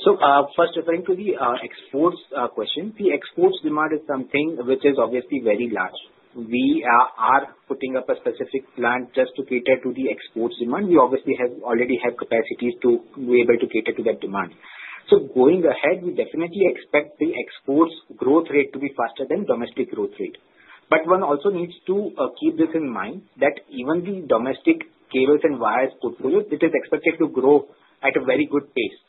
So first, referring to the exports question, the exports demand is something which is obviously very large. We are putting up a specific plan just to cater to the exports demand. We obviously already have capacity to be able to cater to that demand. So going ahead, we definitely expect the exports growth rate to be faster than domestic growth rate. But one also needs to keep this in mind that even the domestic cables and wires portfolio, it is expected to grow at a very good pace.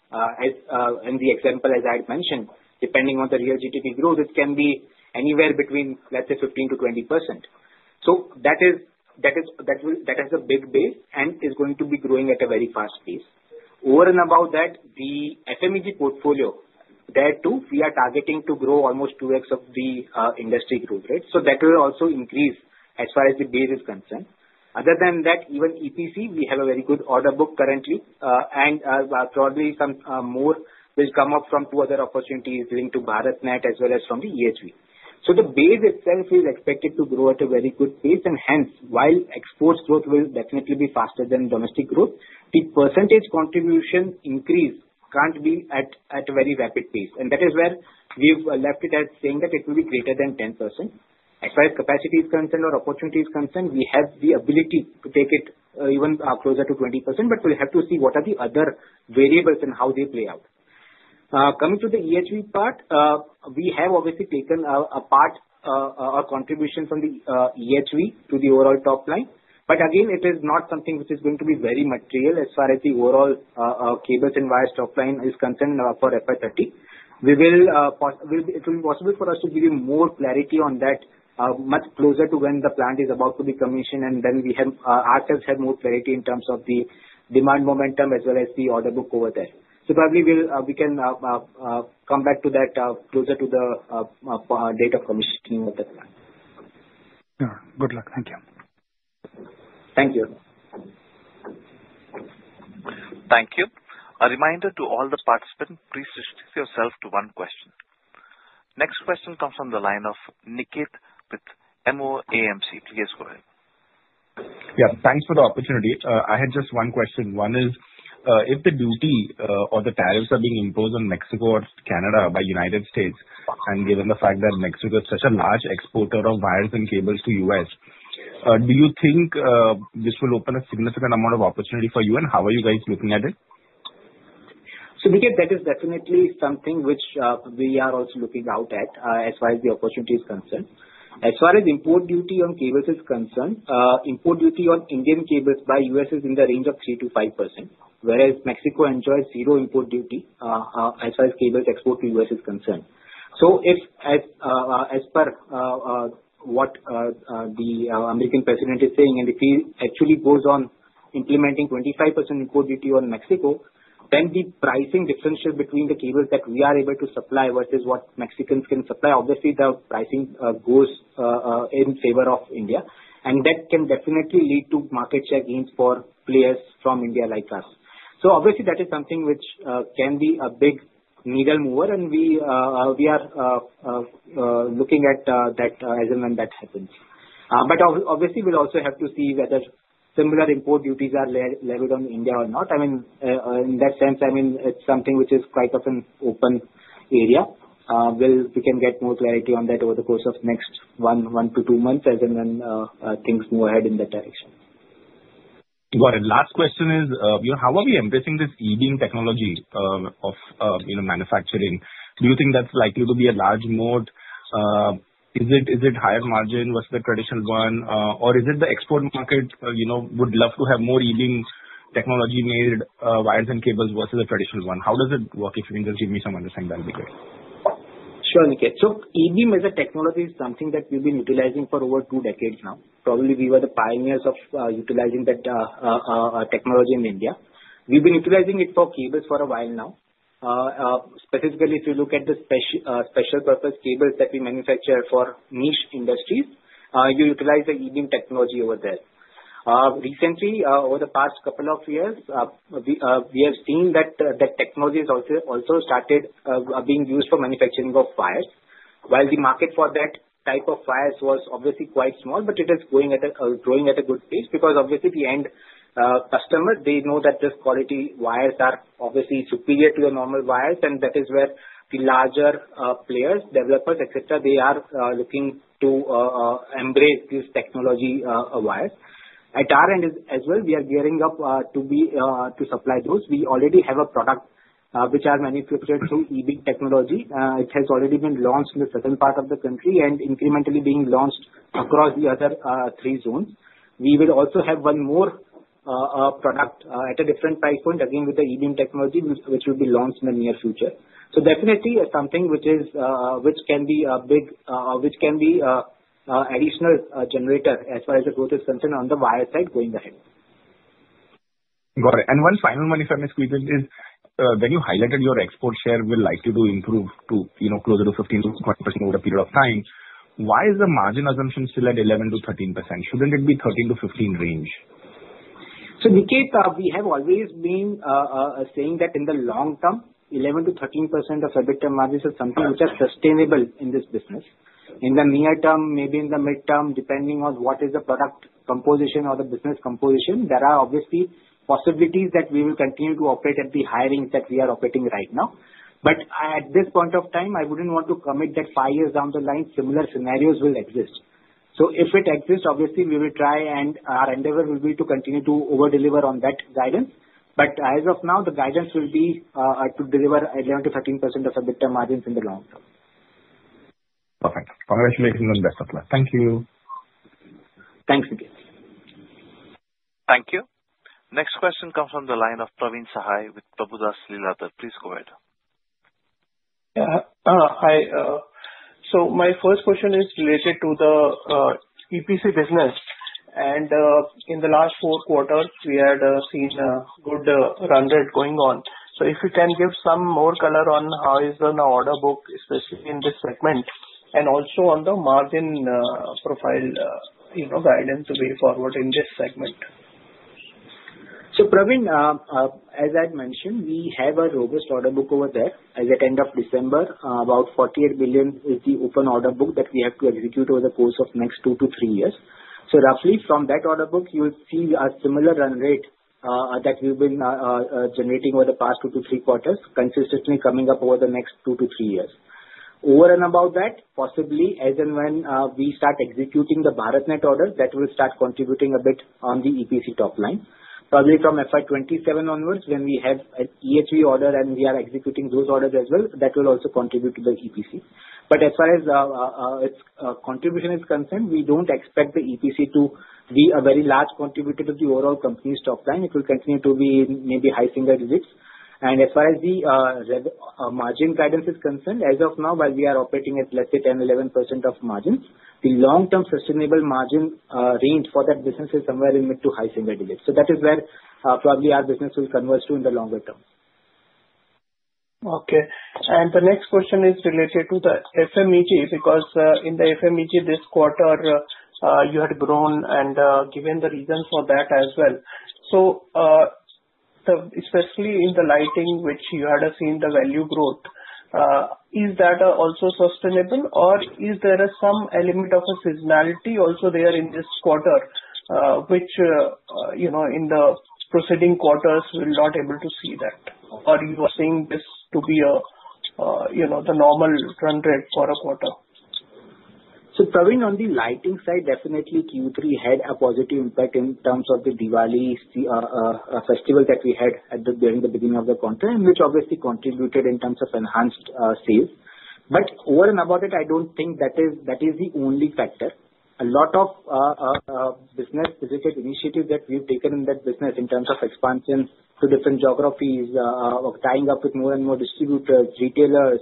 In the example, as I had mentioned, depending on the real GDP growth, it can be anywhere between, let's say, 15%-20%. So that has a big base and is going to be growing at a very fast pace. Over and above that, the FMEG portfolio, there too, we are targeting to grow almost 2x of the industry growth rate. So that will also increase as far as the base is concerned. Other than that, even EPC, we have a very good order book currently, and probably some more will come up from two other opportunities linked to BharatNet as well as from the EHV. So the base itself is expected to grow at a very good pace, and hence, while exports growth will definitely be faster than domestic growth, the percentage contribution increase can't be at a very rapid pace. And that is where we've left it at saying that it will be greater than 10%. As far as capacity is concerned or opportunity is concerned, we have the ability to take it even closer to 20%, but we'll have to see what are the other variables and how they play out. Coming to the EHV part, we have obviously taken a part or contribution from the EHV to the overall top line. But again, it is not something which is going to be very material as far as the overall cables and wires top line is concerned for FY 30. It will be possible for us to give you more clarity on that much closer to when the plant is about to be commissioned, and then we ourselves have more clarity in terms of the demand momentum as well as the order book over there. So probably we can come back to that closer to the date of commissioning of the plant. Sure. Good luck. Thank you. Thank you. Thank you. A reminder to all the participants, please restrict yourself to one question. Next question comes from the line of Niket with MOAMC. Please go ahead. Yeah. Thanks for the opportunity. I had just one question. One is, if the duty or the tariffs are being imposed on Mexico or Canada by the United States, and given the fact that Mexico is such a large exporter of wires and cables to the US, do you think this will open a significant amount of opportunity for you, and how are you guys looking at it? So Niket, that is definitely something which we are also looking out at as far as the opportunity is concerned. As far as import duty on cables is concerned, import duty on Indian cables by the US is in the range of 3%-5%, whereas Mexico enjoys zero import duty as far as cables export to the US is concerned. As per what the American president is saying, and if he actually goes on implementing 25% import duty on Mexico, then the pricing differentiates between the cables that we are able to supply versus what Mexicans can supply. Obviously, the pricing goes in favor of India, and that can definitely lead to market share gains for players from India like us. Obviously, that is something which can be a big needle mover, and we are looking at that as and when that happens. But obviously, we'll also have to see whether similar import duties are levied on India or not. I mean, in that sense, I mean, it's something which is quite of an open area. We can get more clarity on that over the course of the next one to two months as and when things move ahead in that direction. Got it. Last question is, how are we embracing this E-Beam technology of manufacturing? Do you think that's likely to be a large mode? Is it higher margin versus the traditional one? Or is it the export market would love to have more E-Beam technology-made wires and cables versus a traditional one? How does it work? If you can just give me some understanding, that would be great. Sure, Niket. So E-Beam as a technology is something that we've been utilizing for over two decades now. Probably we were the pioneers of utilizing that technology in India. We've been utilizing it for cables for a while now. Specifically, if you look at the special-purpose cables that we manufacture for niche industries, you utilize the E-Beam technology over there. Recently, over the past couple of years, we have seen that the technology has also started being used for manufacturing of wires. While the market for that type of wires was obviously quite small, but it is growing at a good pace because obviously the end customer, they know that this quality wires are obviously superior to the normal wires, and that is where the larger players, developers, etc., they are looking to embrace this technology of wires. At our end as well, we are gearing up to supply those. We already have a product which is manufactured through E-Beam technology. It has already been launched in a certain part of the country and incrementally being launched across the other three zones. We will also have one more product at a different price point, again with the E-Beam technology, which will be launched in the near future. So definitely something which can be a big additional generator as far as the growth is concerned on the wire side going ahead. Got it. And one final one, if I may squeeze in, is when you highlighted your export share will likely improve to closer to 15%-20% over a period of time, why is the margin assumption still at 11%-13%? Shouldn't it be 13%-15% range? So Niket, we have always been saying that in the long term, 11%-13% EBITDA margins is something which is sustainable in this business. In the near term, maybe in the midterm, depending on what is the product composition or the business composition, there are obviously possibilities that we will continue to operate at the higher ends that we are operating right now. But at this point of time, I wouldn't want to commit that five years down the line, similar scenarios will exist. So if it exists, obviously we will try, and our endeavor will be to continue to overdeliver on that guidance. But as of now, the guidance will be to deliver 11%-13% EBITDA margins in the long term. Perfect. Congratulations on the best of luck. Thank you. Thanks, Niket. Thank you. Next question comes from the line of Praveen Sahay with Prabhudas Lilladher. Please go ahead. Yeah. Hi. So my first question is related to the EPC business. And in the last four quarters, we had seen a good run rate going on. So if you can give some more color on how is the order book, especially in this segment, and also on the margin profile guidance to be forward in this segment. Praveen, as I had mentioned, we have a robust order book over there. As at end of December, about 48 billion is the open order book that we have to execute over the course of the next two to three years. Roughly from that order book, you'll see a similar run rate that we've been generating over the past two to three quarters, consistently coming up over the next two to three years. Over and above that, possibly as and when we start executing the BharatNet order, that will start contributing a bit on the EPC top line. Probably from FY27 onwards, when we have an EHV order and we are executing those orders as well, that will also contribute to the EPC. As far as its contribution is concerned, we don't expect the EPC to be a very large contributor to the overall company's top line. It will continue to be maybe high single digits. And as far as the margin guidance is concerned, as of now, while we are operating at, let's say, 10%-11% margins, the long-term sustainable margin range for that business is somewhere in mid to high single digits. So that is where probably our business will converge to in the longer term. Okay. And the next question is related to the FMEG because in the FMEG this quarter, you had grown and given the reason for that as well. So especially in the lighting, which you had seen the value growth, is that also sustainable, or is there some element of a seasonality also there in this quarter, which in the preceding quarters we were not able to see that? Or you were seeing this to be the normal run rate for a quarter? So probably on the lighting side, definitely Q3 had a positive impact in terms of the Diwali festival that we had during the beginning of the quarter, which obviously contributed in terms of enhanced sales. But over and above it, I don't think that is the only factor. A lot of business-related initiatives that we've taken in that business in terms of expansion to different geographies, tying up with more and more distributors, retailers,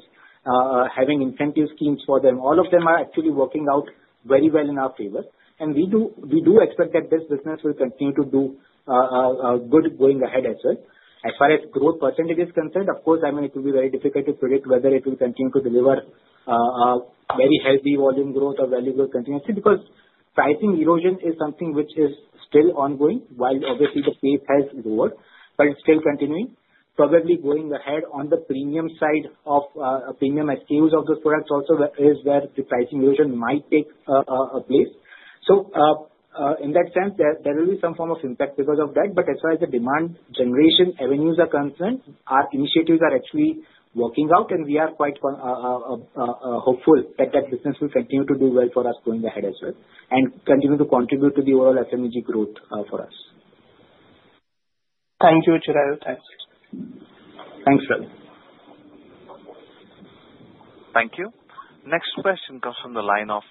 having incentive schemes for them, all of them are actually working out very well in our favor. We do expect that this business will continue to do good going ahead as well. As far as growth percentage is concerned, of course, I mean, it will be very difficult to predict whether it will continue to deliver very healthy volume growth or value growth continuously because pricing erosion is something which is still ongoing while obviously the pace has lowered, but it's still continuing. Probably going ahead on the premium side of premium SKUs of those products also is where the pricing erosion might take place. So in that sense, there will be some form of impact because of that. But as far as the demand generation avenues are concerned, our initiatives are actually working out, and we are quite hopeful that that business will continue to do well for us going ahead as well and continue to contribute to the overall FMEG growth for us. Thank you, Chirayu. Thanks. Thanks, Praveen. Thank you. Next question comes from the line of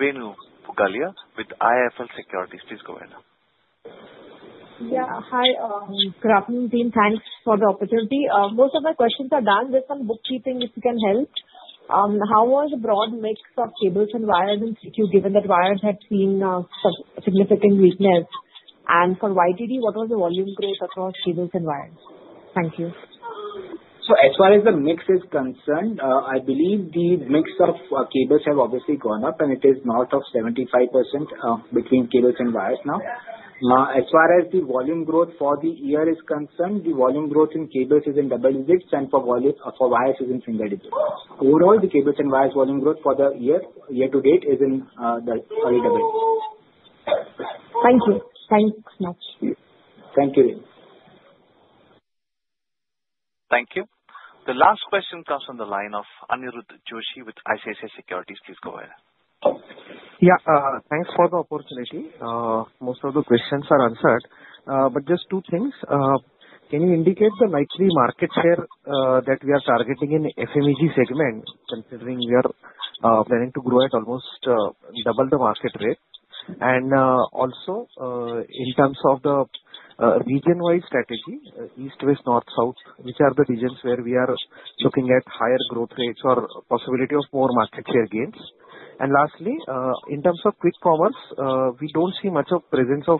Renu Pugalia with IIFL Securities. Please go ahead. Yeah. Hi. Good afternoon, team. Thanks for the opportunity. Most of my questions are done. Just some bookkeeping, if you can help. How was the broad mix of cables and wires in Q2 given that wires had seen significant weakness? And for YTD, what was the volume growth across cables and wires? Thank you. So as far as the mix is concerned, I believe the mix of cables has obviously gone up, and it is north of 75% between cables and wires now. As far as the volume growth for the year is concerned, the volume growth in cables is in double digits, and for wires, it is in single digits. Overall, the cables and wires volume growth for the year to date is in the double digits. Thank you. Thanks much. Thank you. Thank you. The last question comes from the line of Aniruddh Joshi with ICICI Securities. Please go ahead. Yeah. Thanks for the opportunity. Most of the questions are answered. But just two things. Can you indicate the likely market share that we are targeting in the FMEG segment, considering we are planning to grow at almost double the market rate? And also, in terms of the region-wide strategy, east, west, north, south, which are the regions where we are looking at higher growth rates or possibility of more market share gains? And lastly, in terms of quick commerce, we don't see much of presence of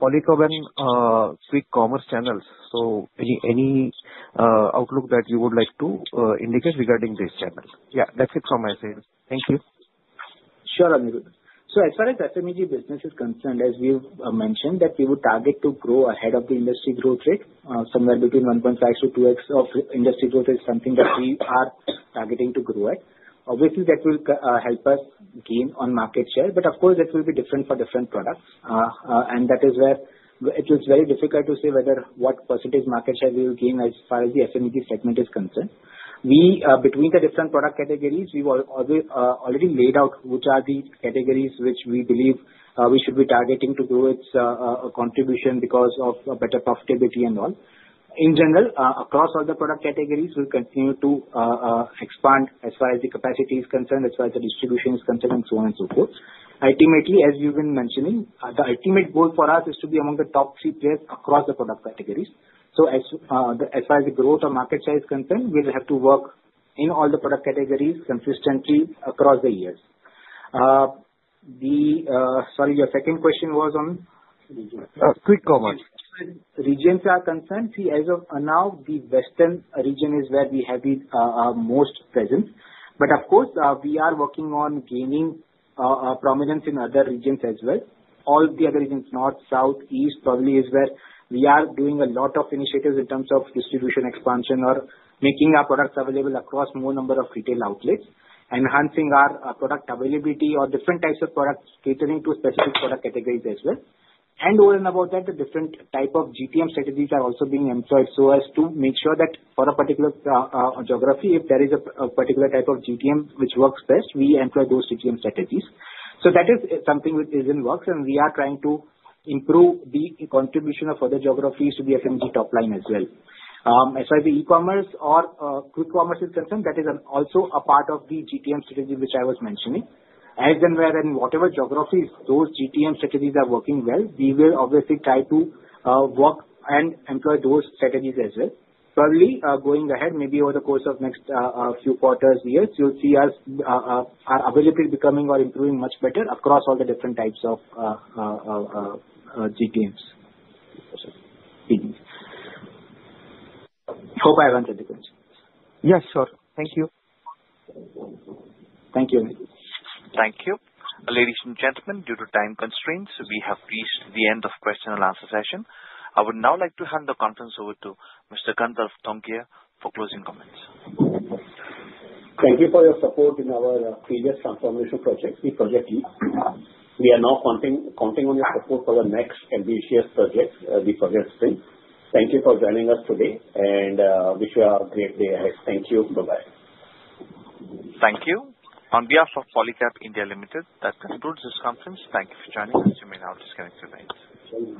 Polycab quick commerce channels. So any outlook that you would like to indicate regarding this channel? Yeah. That's it from my side. Thank you. Sure, Aniruddh. So as far as FMEG business is concerned, as we've mentioned, that we would target to grow ahead of the industry growth rate. Somewhere between 1.5 to 2X of industry growth is something that we are targeting to grow at. Obviously, that will help us gain on market share. But of course, that will be different for different products. And that is where it is very difficult to say whether what percentage market share we will gain as far as the FMEG segment is concerned. Between the different product categories, we've already laid out which are the categories which we believe we should be targeting to grow its contribution because of better profitability and all. In general, across all the product categories, we'll continue to expand as far as the capacity is concerned, as far as the distribution is concerned, and so on and so forth. Ultimately, as you've been mentioning, the ultimate goal for us is to be among the top three players across the product categories. So as far as the growth or market share is concerned, we'll have to work in all the product categories consistently across the years. Sorry, your second question was on? Quick comment. Regions are concerned. See, as of now, the western region is where we have the most presence. But of course, we are working on gaining prominence in other regions as well. All the other regions, north, south, east, probably is where we are doing a lot of initiatives in terms of distribution expansion or making our products available across more number of retail outlets, enhancing our product availability or different types of products catering to specific product categories as well. And over and above that, the different type of GTM strategies are also being employed so as to make sure that for a particular geography, if there is a particular type of GTM which works best, we employ those GTM strategies. So that is something which is in works, and we are trying to improve the contribution of other geographies to the FMEG top line as well. As far as the e-commerce or quick commerce is concerned, that is also a part of the GTM strategy which I was mentioning. As and where and whatever geographies those GTM strategies are working well, we will obviously try to work and employ those strategies as well. Probably going ahead, maybe over the course of next few quarters, years, you'll see us are able to be becoming or improving much better across all the different types of GTMs. Hope I answered the question. Yes, sure. Thank you. Ladies and gentlemen, due to time constraints, we have reached the end of the question and answer session. I would now like to hand the conference over to Mr. Gandharv Tongia for closing comments. Thank you for your support in our previous transformation project, Project Leap. We are now counting on your support for the next ambitious project, Project Spring. Thank you for joining us today, and wish you a great day ahead. Thank you. Bye-bye. On behalf of Polycab India Limited, that concludes this conference. Thank you for joining us. You may now disconnect your lines.